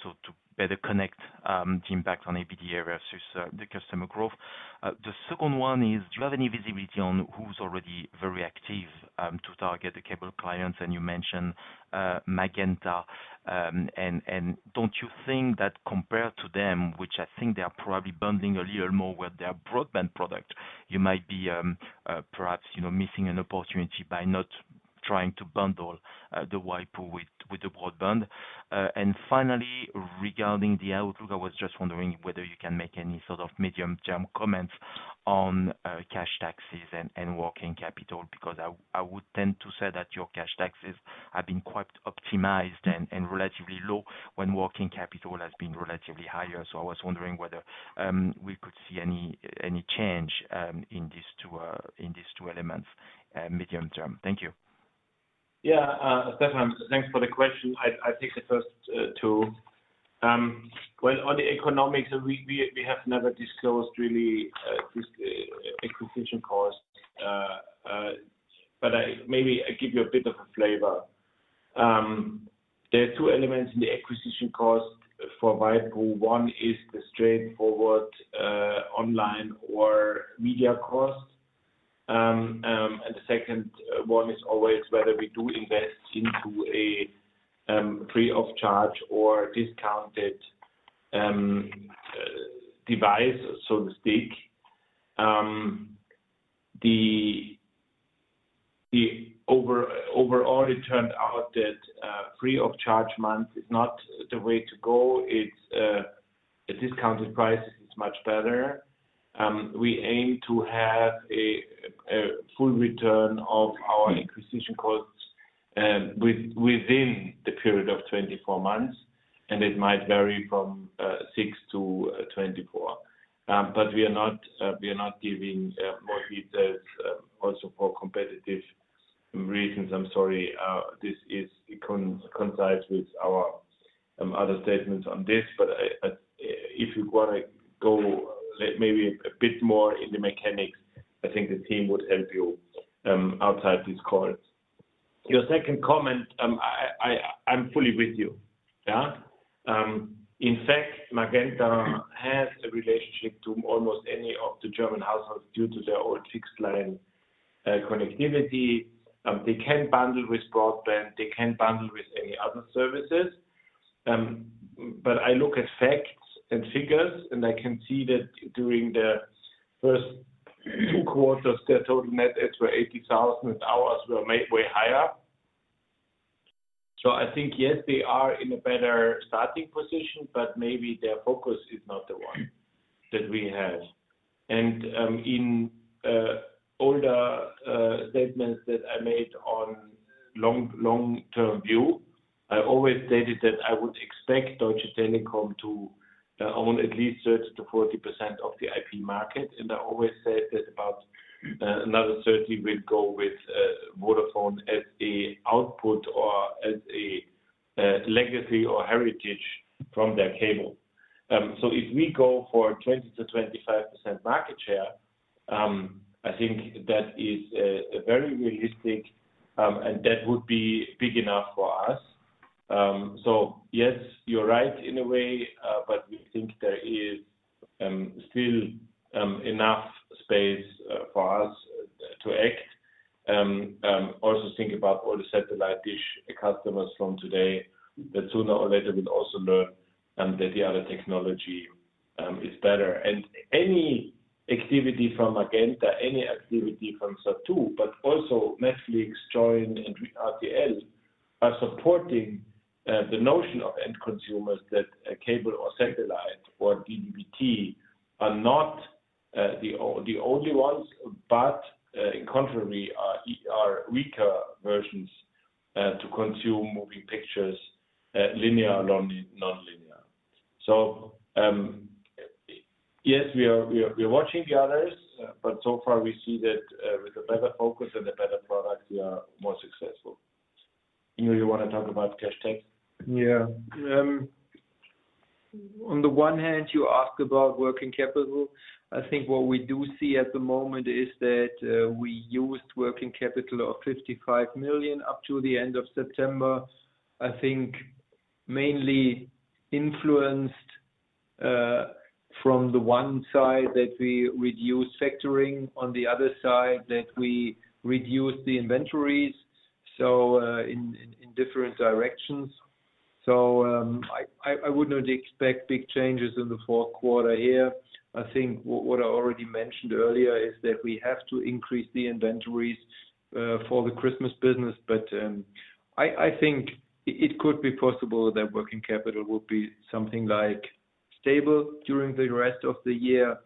F: so to better connect the impact on ARPU area versus the customer growth. The second one is, do you have any visibility on who's already very active to target the cable clients? And you mentioned Magenta. And don't you think that compared to them, which I think they are probably bundling a little more with their broadband product, you might be perhaps, you know, missing an opportunity by not trying to bundle the waipu.tv with the broadband. And finally, regarding the outlook, I was just wondering whether you can make any sort of medium-term comments on cash taxes and working capital, because I would tend to say that your cash taxes have been quite optimized and relatively low, when working capital has been relatively higher. So I was wondering whether we could see any change in these two elements medium term. Thank you.
B: Yeah, Stéphane, thanks for the question. I take the first two. Well, on the economics, we have never disclosed really this acquisition cost. But maybe I give you a bit of a flavor. There are two elements in the acquisition cost for YPO. One is the straightforward online or media cost. And the second one is always whether we do invest into a free of charge or discounted device, so to speak. Overall, it turned out that free of charge month is not the way to go. It's a discounted price is much better. We aim to have a full return of our acquisition costs within the period of 24 months, and it might vary from 6-24. But we are not giving more details, also for competitive reasons. I'm sorry, this is concise with our other statements on this, but I-- if you wanna go maybe a bit more in the mechanics, I think the team would help you outside this call. Your second comment, I'm fully with you. Yeah. In fact, Magenta has a relationship to almost any of the German households due to their old fixed line connectivity. They can bundle with broadband, they can bundle with any other services. But I look at facts and figures, and I can see that during the first two quarters, their total net adds were 80,000, and ours were way, way higher. So I think, yes, they are in a better starting position, but maybe their focus is not the one that we have. And, in older statements that I made on long-term view, I always stated that I would expect Deutsche Telekom to own at least 30%-40% of the IP market. And I always said that about another 30% will go with Vodafone as a output or as a legacy or heritage from their cable. So if we go for 20%-25% market share, I think that is a very realistic and that would be big enough for us. So yes, you're right in a way, but we think there is still enough space for us to act. Also think about all the satellite dish customers from today that sooner or later will also learn that the other technology is better. Any activity from Magenta, any activity from Zattoo, but also Netflix, Joyn, and RTL are supporting the notion of end consumers that a cable or satellite or DVB-T are not the only ones, but contrary, are weaker versions to consume moving pictures, linear, nonlinear. So yes, we are watching the others, but so far we see that with a better focus and a better product, we are more successful. You want to talk about cash tax?
F: Yeah.
C: On the one hand, you ask about working capital. I think what we do see at the moment is that we used working capital of 55 million up to the end of September. I think mainly influenced from the one side, that we reduced factoring, on the other side, that we reduced the inventories, so in different directions. I would not expect big changes in the fourth quarter here. I think what I already mentioned earlier is that we have to increase the inventories for the Christmas business. But I think it could be possible that working capital will be something like stable during the rest of the year.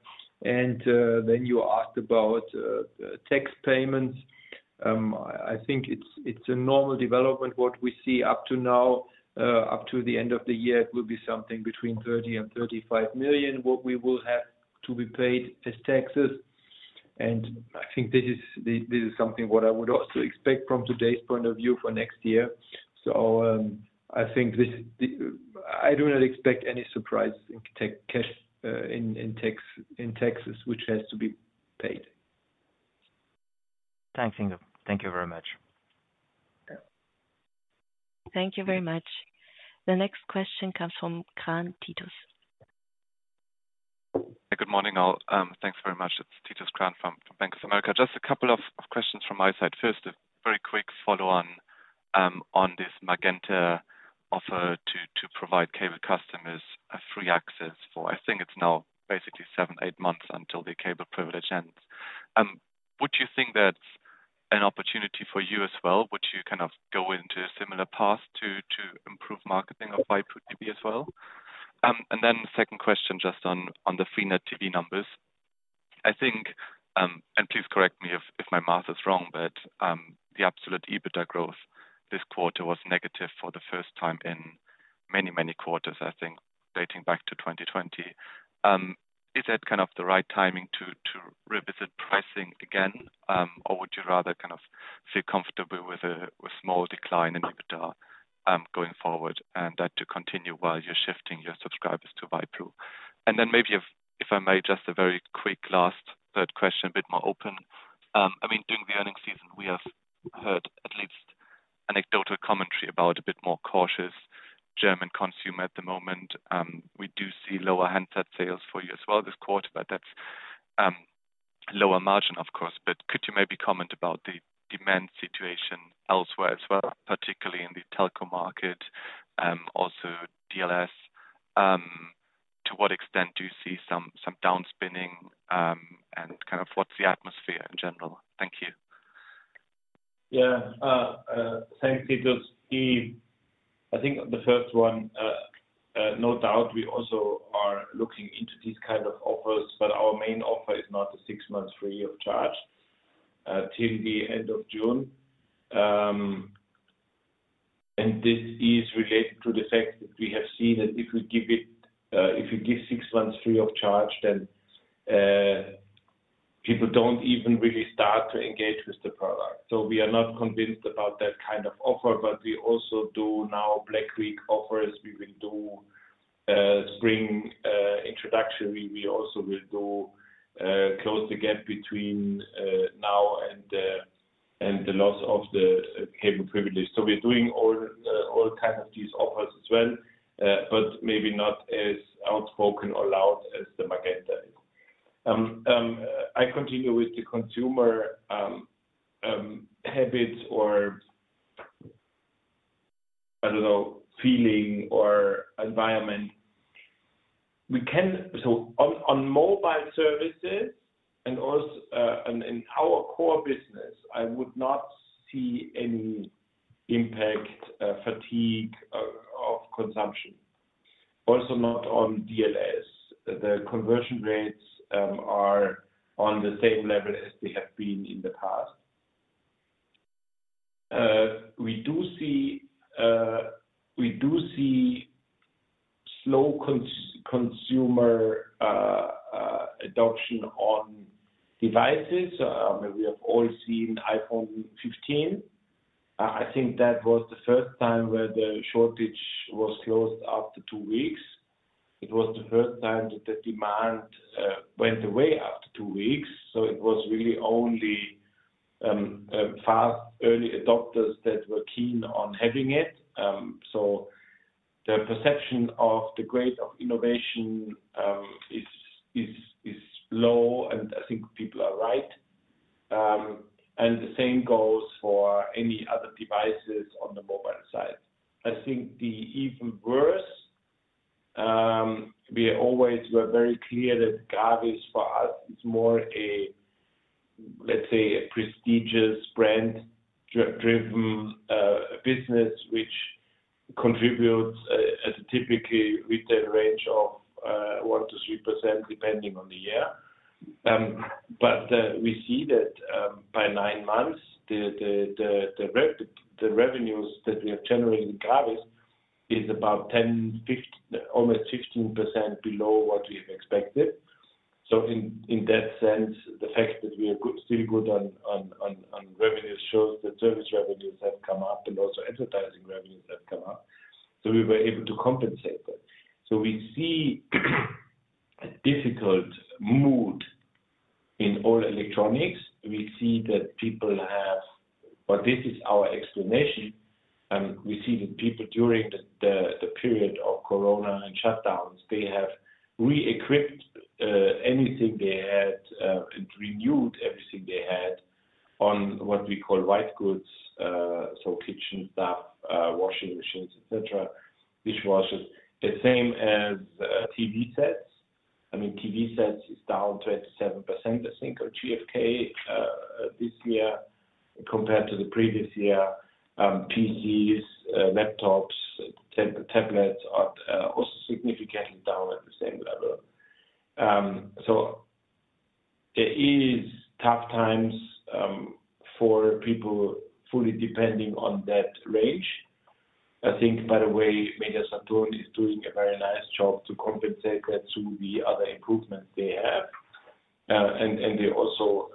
C: And then you asked about tax payments. I think it's a normal development. What we see up to now, up to the end of the year, it will be something between 30 million and 35 million, what we will have to be paid as taxes. I think this is something what I would also expect from today's point of view for next year. I think this, I do not expect any surprise in tax cash, in taxes, which has to be paid.
F: Thanks, Ingo. Thank you very much.
A: Thank you very much. The next question comes from Titus Krahn.
G: Good morning, all. Thanks very much. It's Titus Krahn from Bank of America. Just a couple of questions from my side. First, a very quick follow-on on this Magenta offer to provide cable customers a free access for, I think it's now basically six to eight months until the cable privilege ends. Would you think that's an opportunity for you as well? Would you kind of go into a similar path to improve marketing of waipu.tv as well? And then the second question, just on the freenet TV numbers. I think, and please correct me if my math is wrong, but, the absolute EBITDA growth this quarter was negative for the first time in many, many quarters, I think dating back to 2020. Is that kind of the right timing to revisit pricing again? Or would you rather kind of feel comfortable with a, with small decline in EBITDA, going forward, and that to continue while you're shifting your subscribers to Waipu? And then maybe if, if I may, just a very quick last third question, a bit more open. I mean, during the earnings season, we have heard at least anecdotal commentary about a bit more cautious German consumer at the moment. We do see lower handset sales for you as well this quarter, but that's, lower margin, of course. But could you maybe comment about the demand situation elsewhere as well, particularly in the telco market, also DLS? To what extent do you see some, some downspinning, and kind of what's the atmosphere in general? Thank you.
B: Yeah. Thanks, Titus. I think the first one, no doubt, we also are looking into these kind of offers, but our main offer is not a six months free of charge till the end of June. This is related to the fact that we have seen that if we give it, if you give six months free of charge, then people don't even really start to engage with the product. So we are not convinced about that kind of offer, but we also do now Black Week offers. We will do spring introduction. We also will do close the gap between now and the loss of the cable privilege. So we're doing all kind of these offers as well, but maybe not as outspoken or loud as the Magenta is. I continue with the consumer habits or, I don't know, feeling or environment. So on mobile services and also in our core business, I would not see any impact, fatigue of consumption, also not on DSL. The conversion rates are on the same level as they have been in the past. We do see slow consumer adoption on devices. We have all seen iPhone 15. I think that was the first time where the shortage was closed after two weeks. It was the first time that the demand went away after two weeks, so it was really only fast early adopters that were keen on having it. So the perception of the grade of innovation is low, and I think people are right. And the same goes for any other devices on the mobile side. I think the even worse, we always were very clear that GRAVIS is, for us, more a, let's say, a prestigious brand driven business, which contributes, as typically with a range of 1%-3%, depending on the year. But we see that, by nine months, the revenues that we have generated in GRAVIS is about 10, almost 16% below what we have expected. So in that sense, the fact that we are good, still good on revenues shows that service revenues have come up and also advertising revenues have come up. So we were able to compensate that. So we see a difficult mood in all electronics. We see that people have-- but this is our explanation, and we see that people, during the period of Corona and shutdowns, they have re-equipped anything they had and renewed everything they had on what we call white goods, so kitchen stuff, washing machines, etc., dishwashers. The same as TV sets. I mean, TV sets is down 27%, I think, or GfK this year compared to the previous year. PCs, laptops, tablets are also significantly down at the same level. So it is tough times for people fully depending on that range. I think, by the way, Media-Saturn is doing a very nice job to compensate that through the other improvements they have. They also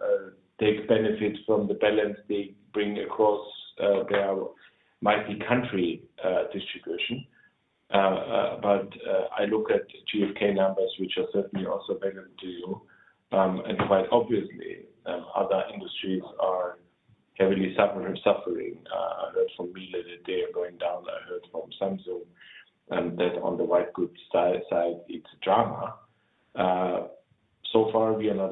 B: take benefit from the balance they bring across their mighty country distribution. But I look at GfK numbers, which are certainly also better to you. And quite obviously, other industries are heavily suffering. I heard from Miele that they are going down. I heard from Samsung that on the white goods side, it's drama. So far, we are not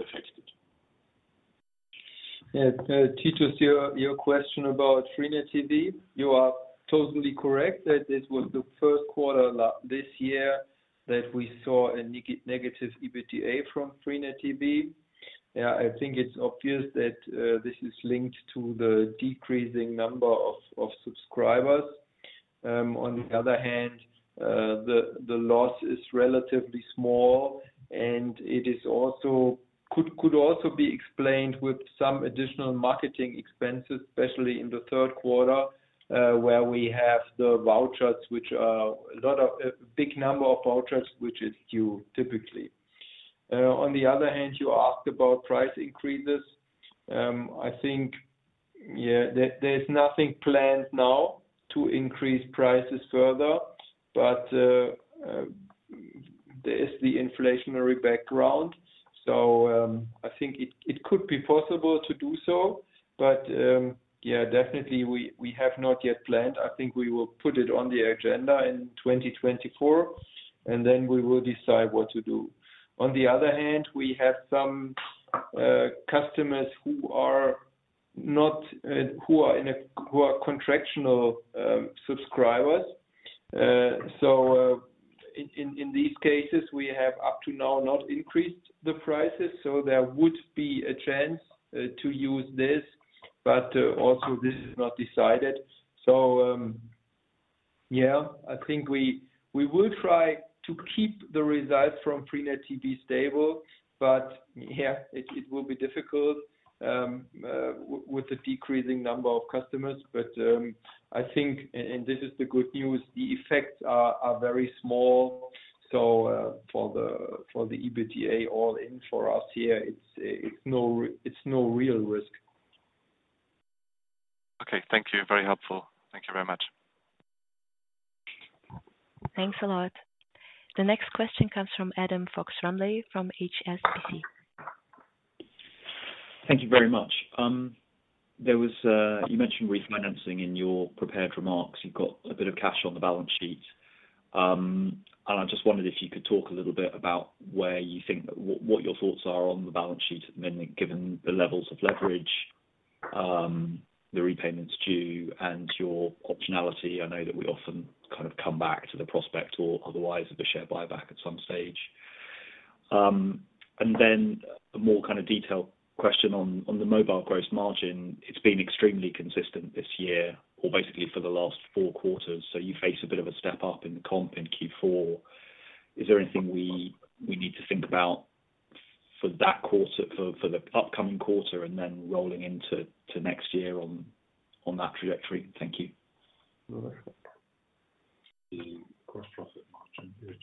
B: affected.
C: Yes, Titus, your question about freenet TV. You are totally correct that this was the first quarter this year that we saw a negative EBITDA from freenet TV. Yeah, I think it's obvious that this is linked to the decreasing number of subscribers. On the other hand, the loss is relatively small, and it could also be explained with some additional marketing expenses, especially in the third quarter, where we have the vouchers, which are a lot of, a big number of vouchers, which is due typically. On the other hand, you asked about price increases. I think, yeah, there's nothing planned now to increase prices further, but there is the inflationary background. So, I think it could be possible to do so, but yeah, definitely we have not yet planned. I think we will put it on the agenda in 2024, and then we will decide what to do. On the other hand, we have some customers who are not who are contractual subscribers. So, in these cases, we have up to now not increased the prices, so there would be a chance to use this, but also this is not decided. So, yeah, I think we will try to keep the results from freenet TV stable, but yeah, it will be difficult with the decreasing number of customers. But I think, and this is the good news, the effects are very small. For the EBITDA all-in for us here, it's no real risk.
G: Okay, thank you. Very helpful. Thank you very much.
A: Thanks a lot. The next question comes from Adam Fox-Rumley from HSBC.
H: Thank you very much. There was a you mentioned refinancing in your prepared remarks. You've got a bit of cash on the balance sheet. And I just wondered if you could talk a little bit about where you think what your thoughts are on the balance sheet, I mean, given the levels of leverage, the repayments due, and your optionality. I know that we often kind of come back to the prospect or otherwise of the share buyback at some stage. And then a more kind of detailed question on the mobile gross margin. It's been extremely consistent this year or basically for the last four quarters, so you face a bit of a step up in the comp in Q4. Is there anything we need to think about for that quarter—for the upcoming quarter and then rolling into next year on that trajectory? Thank you.
B: The gross profit margin is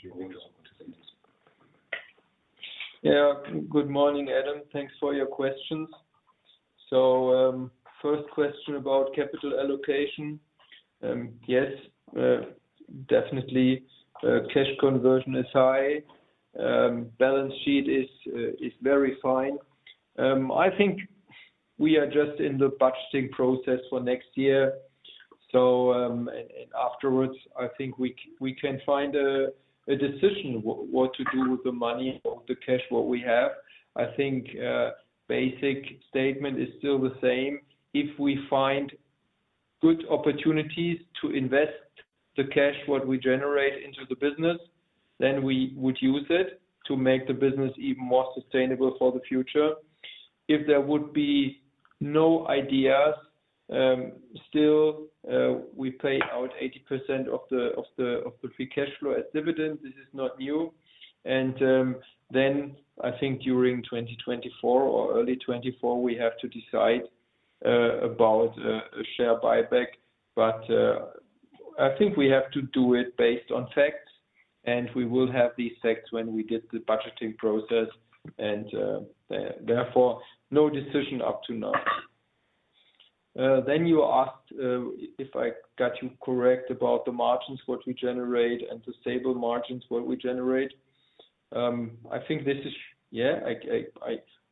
B: two weeks.
C: Yeah. Good morning, Adam. Thanks for your questions. So, first question about capital allocation. Yes, definitely, cash conversion is high. Balance sheet is very fine. I think we are just in the budgeting process for next year. So, and afterwards, I think we can find a decision, what to do with the money or the cash what we have. I think, basic statement is still the same. If we find good opportunities to invest the cash, what we generate into the business, then we would use it to make the business even more sustainable for the future. If there would be no ideas, still, we pay out 80% of the free cash flow as dividends. This is not new. Then I think during 2024 or early 2024, we have to decide about a share buyback. But, I think we have to do it based on facts, and we will have these facts when we get the budgeting process, and therefore, no decision up to now. Then you asked, if I got you correct, about the margins, what we generate, and the stable margins, what we generate. I think this is. Yeah,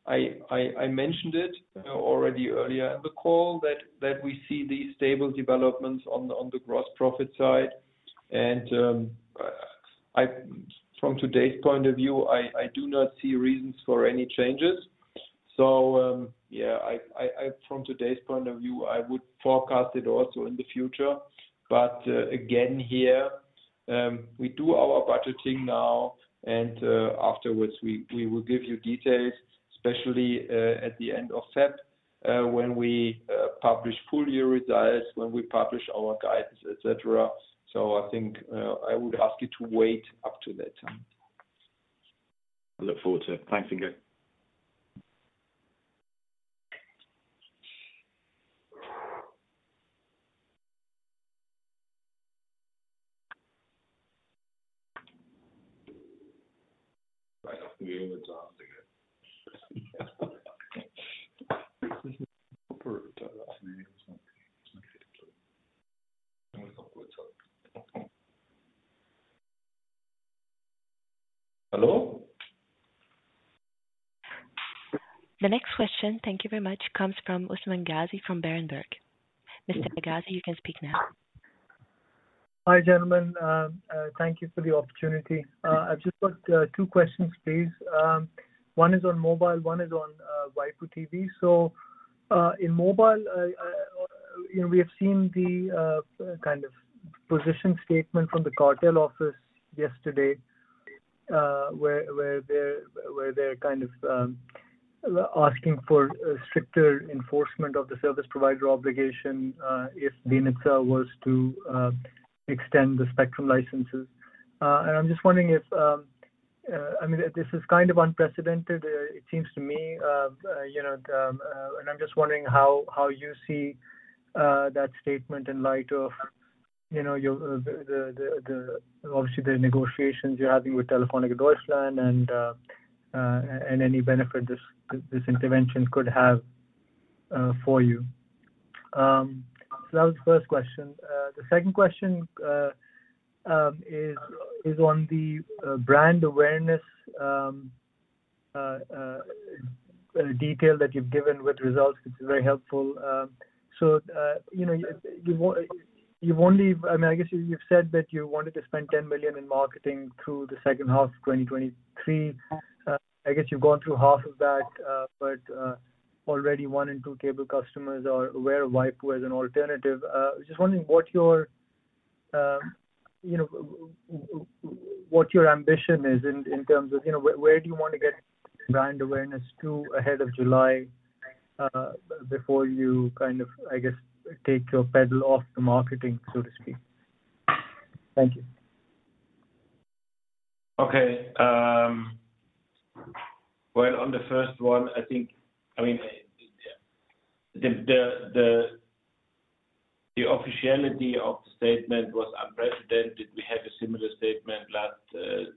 C: I mentioned it already earlier in the call, that we see these stable developments on the gross profit side. And from today's point of view, I do not see reasons for any changes. So, yeah, from today's point of view, I would forecast it also in the future. But, again, here, we do our budgeting now, and afterwards, we will give you details, especially at the end of February, when we publish full year results, when we publish our guidance, etc.. So I think, I would ask you to wait up to that time.
H: I look forward to it. Thanks again.
B: Hello?
A: The next question, thank you very much, comes from Usman Ghazi from Berenberg. Mr. Ghazi, you can speak now.
I: Hi, gentlemen. Thank you for the opportunity. I've just got two questions, please. One is on mobile, one is on waipu.tv. So, in mobile, you know, we have seen the kind of position statement from the cartel office yesterday, where they're kind of asking for a stricter enforcement of the service provider obligation, if the BNetzA was to extend the spectrum licenses. And I'm just wondering if, I mean, this is kind of unprecedented, it seems to me, you know, and I'm just wondering how you see that statement in light of, you know, the obviously the negotiations you're having with Telefónica Deutschland and any benefit this intervention could have for you. So that was the first question. The second question is on the brand awareness detail that you've given with results, which is very helpful. So, you know, you've only-- I mean, I guess you've said that you wanted to spend 10 million in marketing through the second half of 2023. I guess you've gone through half of that, but already one in two cable customers are aware of waipu.tv as an alternative. Just wondering what your, you know, what your ambition is in terms of, you know, where do you want to get brand awareness to ahead of July, before you kind of, I guess, take your pedal off the marketing, so to speak? Thank you.
B: Okay, well, on the first one, I think, I mean, the officiality of the statement was unprecedented. We had a similar statement last,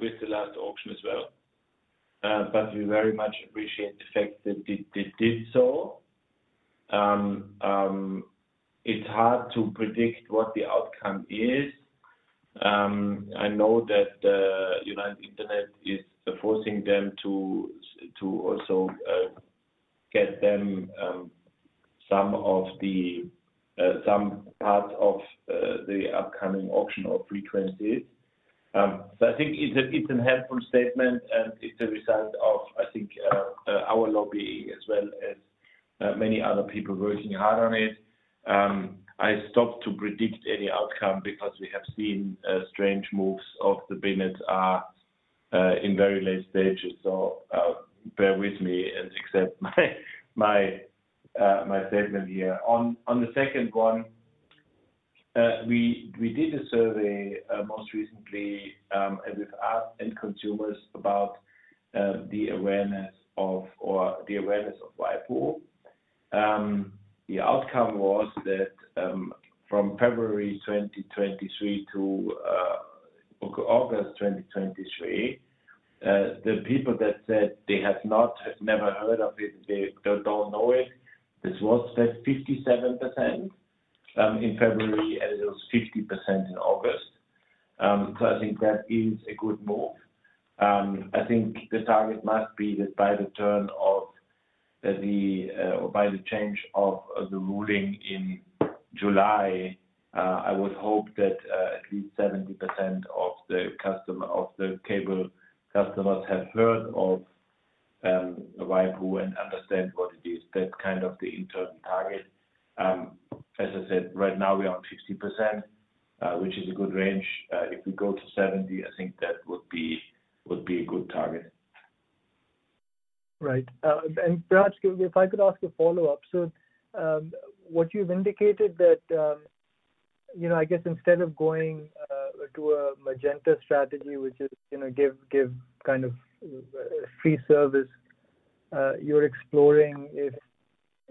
B: with the last auction as well. But we very much appreciate the fact that they did so. It's hard to predict what the outcome is. I know that United Internet is forcing them to also get them some of the some parts of the upcoming auction or frequencies. So I think it's a helpful statement, and it's a result of, I think, our lobbying as well as many other people working hard on it. I stopped to predict any outcome because we have seen strange moves of the BNetzA in very late stages. So, bear with me and accept my, my, my statement here. On the second one, we did a survey most recently, and we've asked end consumers about the awareness of or the awareness of waipu.tv. The outcome was that from February 2023 to August 2023, the people that said they have not, have never heard of it, they don't know it. This was 57% in February, and it was 50% in August. So I think that is a good move. I think the target must be that by the turn of the or by the change of the ruling in July, I would hope that at least 70% of the customer, of the cable customers have heard of waipu.tv and understand what it is. That's kind of the internal target. As I said, right now, we're on 50%, which is a good range. If we go to 70, I think that would be, would be a good target.
I: Right. And perhaps, if I could ask a follow-up. So, what you've indicated that, you know, I guess instead of going, to a Magenta strategy, which is, you know, give kind of free service, you're exploring if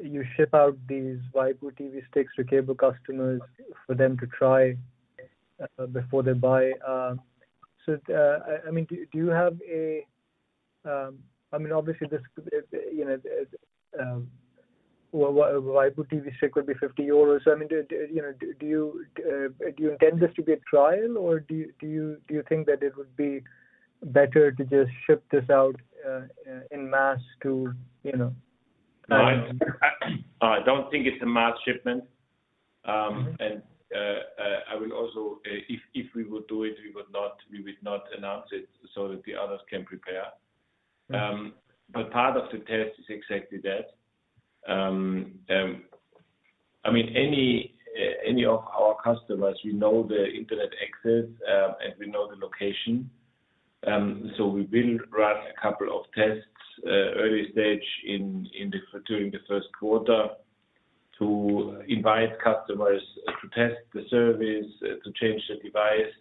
I: you ship out these waipu.tv sticks to cable customers for them to try, before they buy. So, I mean, do you have a, I mean, obviously, this could, you know, well, waipu.tv stick would be 50 euros. I mean, do you know, do you intend this to be a trial, or do you think that it would be better to just ship this out, in mass to, you know?
B: I don't think it's a mass shipment.
I: Mm-hmm.
B: And I will also, if we would do it, we would not announce it so that the others can prepare.
I: Mm-hmm.
B: But part of the test is exactly that. I mean, any of our customers, we know the internet access, and we know the location. So we will run a couple of tests, early stage in the during the first quarter, to invite customers to test the service, to change the device.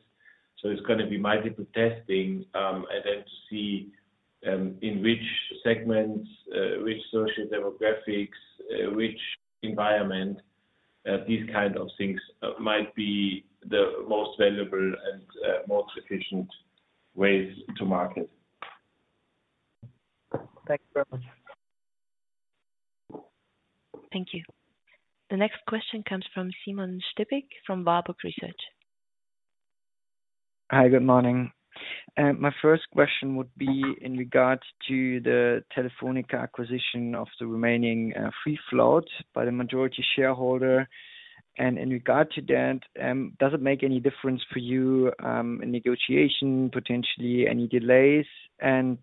B: So it's gonna be multiple testing, and then to see, in which segments, which sociodemographics, which environment, these kind of things, might be the most valuable and, most efficient ways to market.
I: Thanks very much.
A: Thank you. The next question comes from Simon Stippig, from Warburg Research.
J: Hi, good morning. My first question would be in regards to the Telefónica acquisition of the remaining free float by the majority shareholder. And in regard to that, does it make any difference for you in negotiation, potentially any delays? And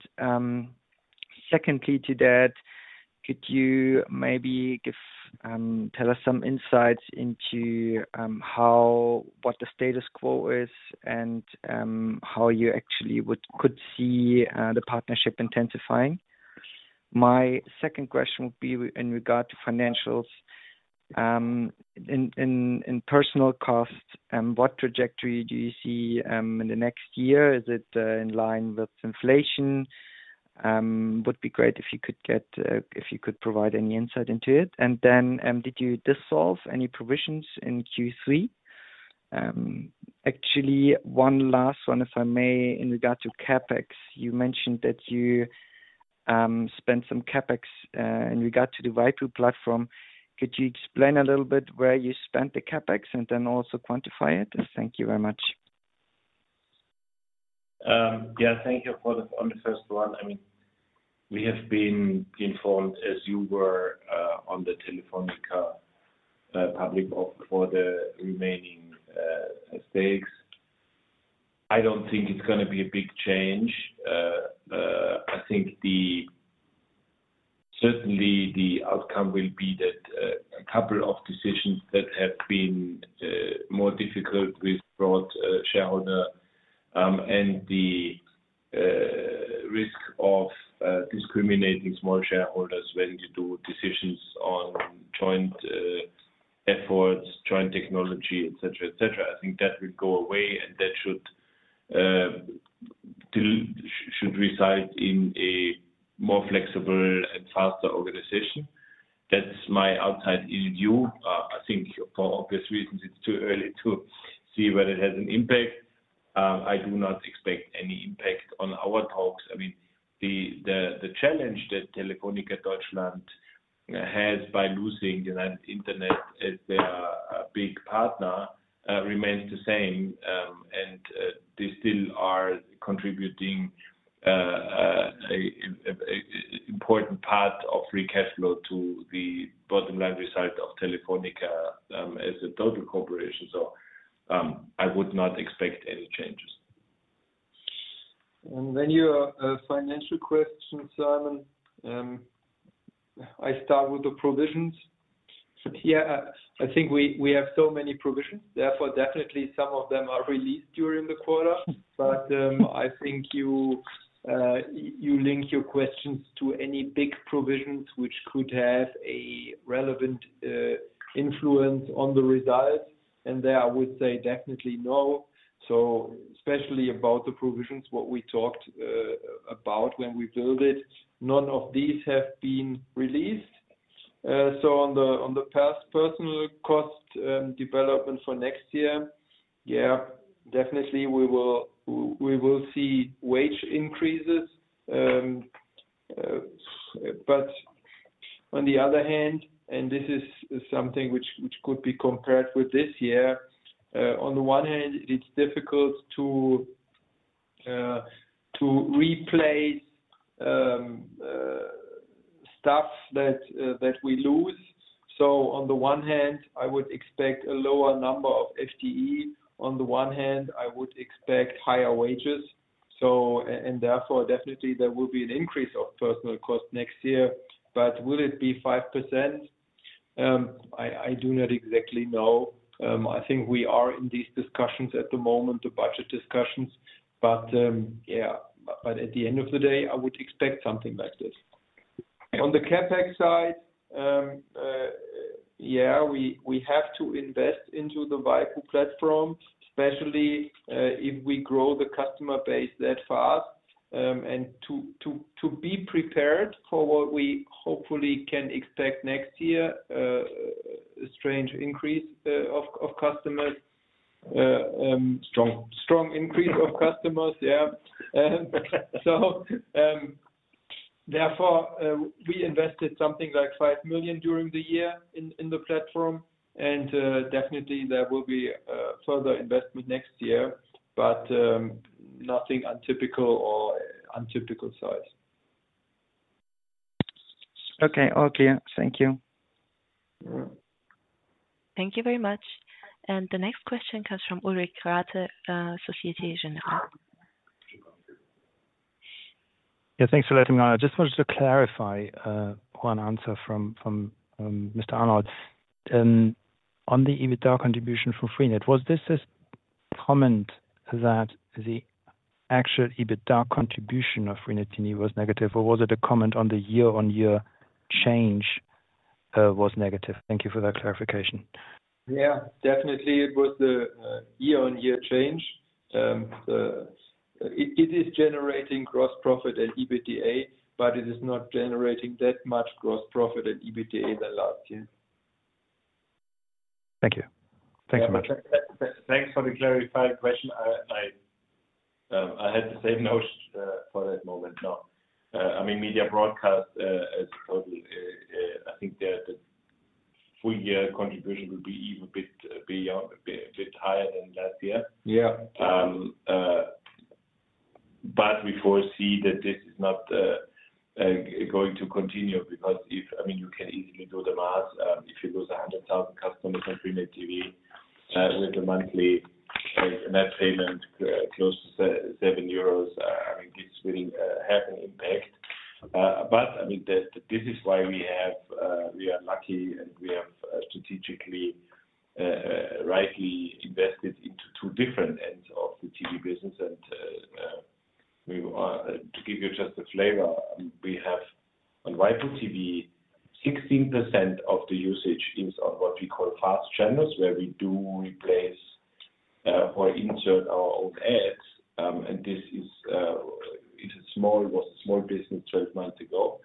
J: secondly to that, could you maybe give tell us some insights into what the status quo is and how you actually could see the partnership intensifying? My second question would be in regard to financials. In personnel costs, what trajectory do you see in the next year? Is it in line with inflation? Would be great if you could provide any insight into it. And then, did you dissolve any provisions in Q3? Actually, one last one, if I may, in regard to CapEx, you mentioned that you spent some CapEx in regard to the waipu platform. Could you explain a little bit where you spent the CapEx and then also quantify it? Thank you very much. Thank you for the-- on the first one, I mean, we have been informed, as you were, on the Telefónica public offer for the remaining stakes. I don't think it's gonna be a big change. I think the... Certainly, the outcome will be that a couple of decisions that have been more difficult with broad shareholder and the risk of discriminating small shareholders when you do decisions on joint efforts, joint technology, etc., etc.. I think that will go away, and that should reside in a more flexible and faster organization. That's my outside view. I think for obvious reasons, it's too early to see whether it has an impact. I do not expect any impact on our talks. I mean, the challenge that Telefónica Deutschland has by losing United Internet as their big partner remains the same, and they still are contributing a important part of free cash flow to the bottom line result of Telefónica as a total corporation. So, I would not expect any changes.
C: And then your financial question, Simon. I start with the provisions. Yeah, I think we have so many provisions, therefore, definitely some of them are released during the quarter. But I think you link your questions to any big provisions which could have a relevant influence on the results, and there, I would say definitely no. So especially about the provisions, what we talked about when we build it, none of these have been released. So on the personnel cost development for next year, yeah, definitely we will see wage increases. But on the other hand, and this is something which could be compared with this year, on the one hand, it's difficult to replace stuff that we lose. So on the one hand, I would expect a lower number of FTE. On the one hand, I would expect higher wages. So and therefore, definitely there will be an increase of personnel cost next year. But will it be 5%? I do not exactly know. I think we are in these discussions at the moment, the budget discussions. But, yeah, but at the end of the day, I would expect something like this. On the CapEx side, yeah, we have to invest into the waipu.tv platform, especially if we grow the customer base that fast. And to be prepared for what we hopefully can expect next year, a strong increase of customers.
B: Strong.
C: Strong increase of customers, yeah. And so, therefore, we invested something like 5 million during the year in, in the platform, and, definitely there will be, further investment next year, but, nothing untypical or untypical size.
J: Okay. All clear. Thank you.
A: Thank you very much. And the next question comes from Ulrich Rathe, Société Générale.
E: Yeah, thanks for letting me on. I just wanted to clarify one answer from Mr. Arnold. On the EBITDA contribution for freenet, was this a comment that the actual EBITDA contribution of freenet TV was negative, or was it a comment on the year-on-year change was negative? Thank you for that clarification.
C: Yeah, definitely, it was the year-on-year change. It is generating gross profit and EBITDA, but it is not generating that much gross profit and EBITDA than last year.
E: Thank you. Thanks very much.
B: Thanks for the clarified question. I had the same notion for that moment now. I mean, Media Broadcast as totally. I think the full year contribution will be even a bit beyond, a bit higher than last year.
C: Yeah.
B: But we foresee that this is not going to continue, because if, I mean, you can easily do the math. If you lose 100,000 customers on freenet TV, with a monthly net payment close to 7 euros, I mean, it's really have an impact. But I mean, that this is why we have we are lucky, and we have strategically rightly invested into two different ends of the TV business. We want to give you just a flavor, we have on waipu.tv 16% of the usage is on what we call fast channels, where we do replace or insert our own ads. And this is, it is small, it was a small business 12 months ago.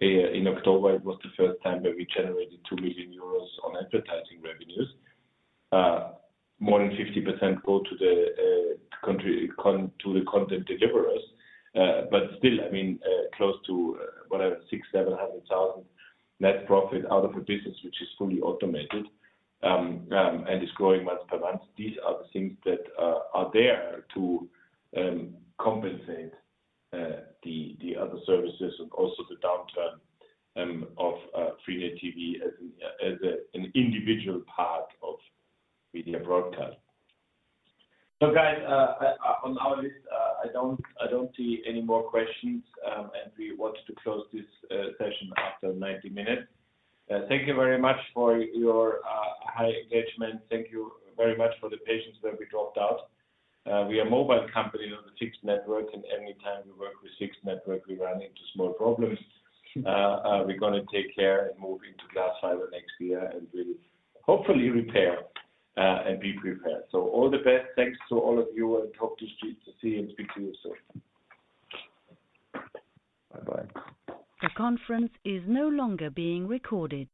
B: In October, it was the first time that we generated 2 million euros on advertising revenues. More than 50% go to the content deliverers. But still, I mean, close to whatever, 600,000-700,000 net profit out of a business which is fully automated and is growing month by month. These are the things that are there to compensate the other services and also the downturn of freenet TV as an individual part of Media Broadcast. So, guys, on our list, I don't see any more questions, and we want to close this session after 90 minutes. Thank you very much for your high engagement. Thank you very much for the patience when we dropped out. We are mobile company on the Six network, and anytime we work with Six network, we run into small problems. We're gonna take care and move into glass fiber next year, and we'll hopefully repair, and be prepared. So all the best. Thanks to all of you, and talk to you, to see you, and speak to you soon.
C: Bye-bye.
A: The conference is no longer being recorded.